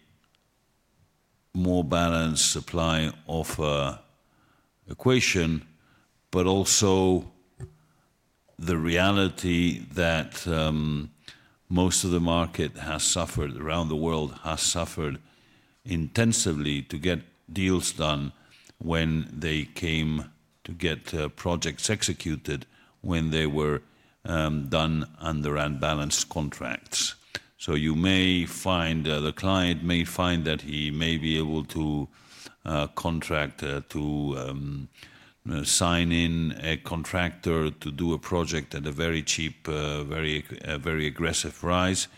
more balanced supply-offer equation, but also the reality that most of the market has suffered around the world intensively to get deals done when they came to get projects executed when they were done under unbalanced contracts. You may find that the client may be able to contract to sign in a contractor to do a project at a very cheap, very aggressive price.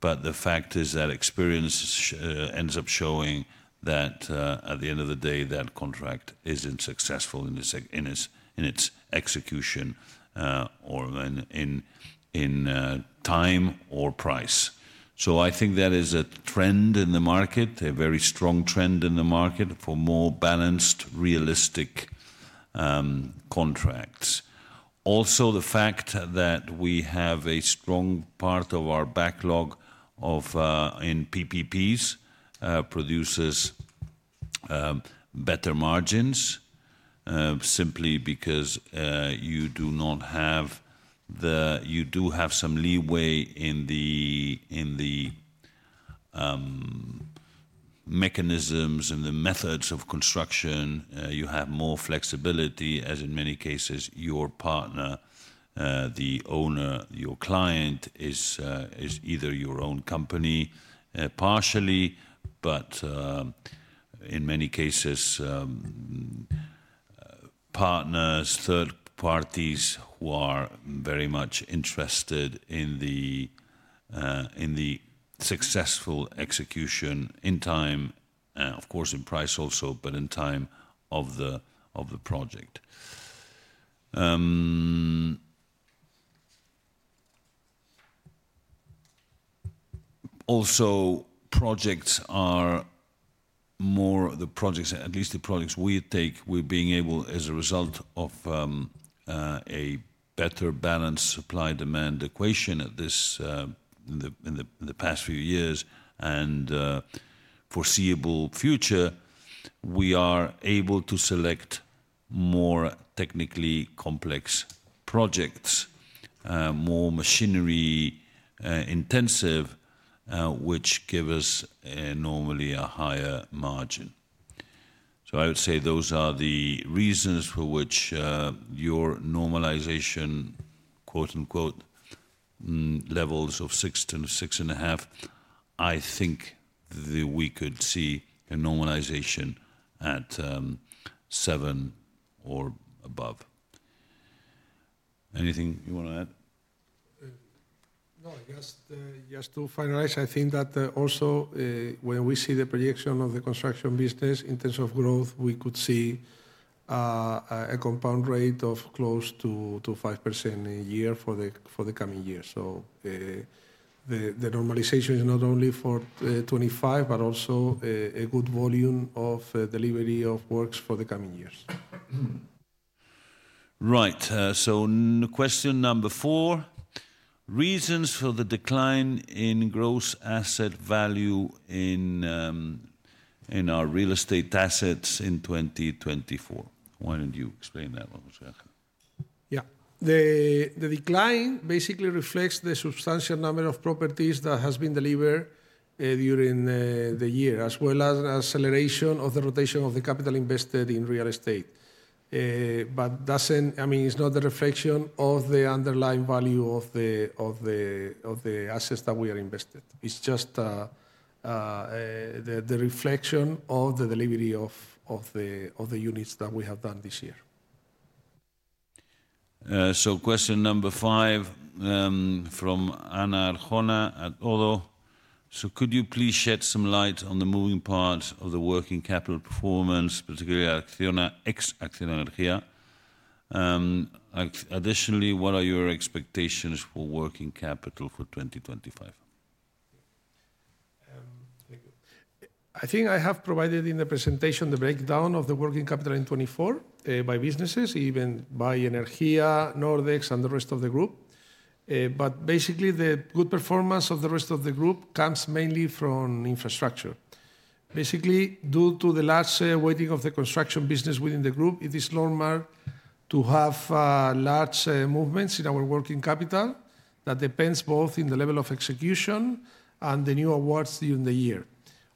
But the fact is that experience ends up showing that at the end of the day, that contract isn't successful in its execution or in time or price. I think that is a trend in the market, a very strong trend in the market for more balanced, realistic contracts. Also, the fact that we have a strong part of our backlog in PPPs produces better margins simply because you do have some leeway in the mechanisms and the methods of construction. You have more flexibility, as in many cases, your partner, the owner, your client is either your own company partially, but in many cases, partners, third parties who are very much interested in the successful execution in time, of course, in price also, but in time of the project. Also, projects are more the projects, at least the projects we take. We're being able, as a result of a better balanced supply-demand equation in the past few years and foreseeable future, to select more technically complex projects, more machinery-intensive, which give us normally a higher margin. So I would say those are the reasons for which your normalization, quote-unquote, levels of 6%-6.5%. I think we could see a normalization at 7% or above. Anything you want to add?
No, just to finalize, I think that also when we see the projection of the construction business in terms of growth, we could see a compound rate of close to 5% a year for the coming years. So the normalization is not only for 25, but also a good volume of delivery of works for the coming years.
Right. So question number four, reasons for the decline in gross asset value in our real estate assets in 2024. Why don't you explain that, José Ángel?
Yeah. The decline basically reflects the substantial number of properties that have been delivered during the year, as well as acceleration of the rotation of the capital invested in real estate. But I mean, it's not the reflection of the underlying value of the assets that we are invested. It's just the reflection of the delivery of the units that we have done this year.
Question number five from Ana Arjona at ODDO. Could you please shed some light on the moving part of the working capital performance, particularly ACCIONA Energía? Additionally, what are your expectations for working capital for 2025?
I think I have provided in the presentation the breakdown of the working capital in 2024 by businesses, even by Energía, Nordex, and the rest of the group. But basically, the good performance of the rest of the group comes mainly from infrastructure. Basically, due to the large weighting of the construction business within the group, it is normal to have large movements in our working capital that depends both on the level of execution and the new awards during the year.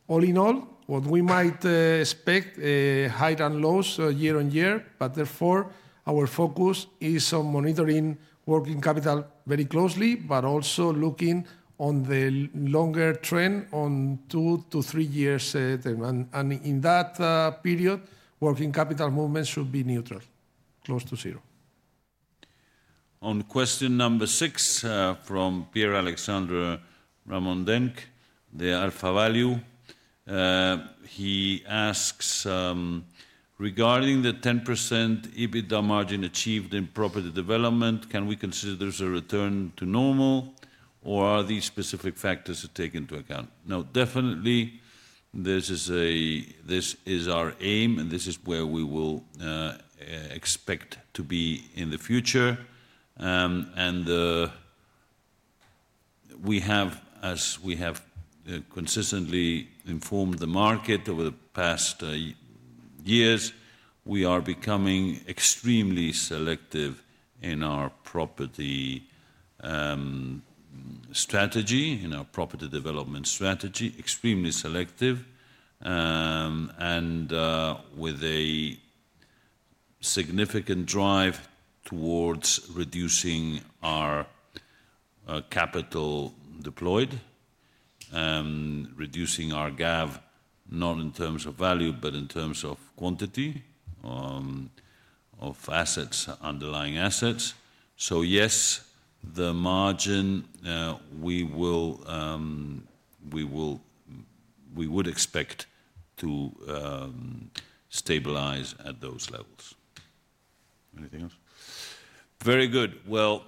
All in all, what we might expect are higher and lower year on year, but therefore, our focus is on monitoring working capital very closely, but also looking on the longer trend on two to three years' term, and in that period, working capital movements should be neutral, close to zero.
On question number six from Pierre Alexandre Ramondenc, from Alphavalue, he asks regarding the 10% EBITDA margin achieved in property development: Can we consider this a return to normal, or are these specific factors to take into account? No, definitely, this is our aim, and this is where we will expect to be in the future. And as we have consistently informed the market over the past years, we are becoming extremely selective in our property strategy, in our property development strategy, extremely selective, and with a significant drive towards reducing our capital deployed, reducing our GAV, not in terms of value, but in terms of quantity of underlying assets. So yes, the margin we would expect to stabilize at those levels. Anything else? Very good. Well,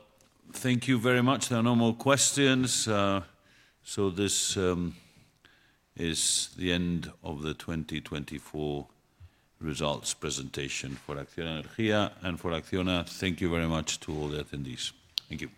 thank you very much. There are no more questions. So this is the end of the 2024 results presentation for ACCIONA Energía. And for ACCIONA, thank you very much to all the attendees. Thank you.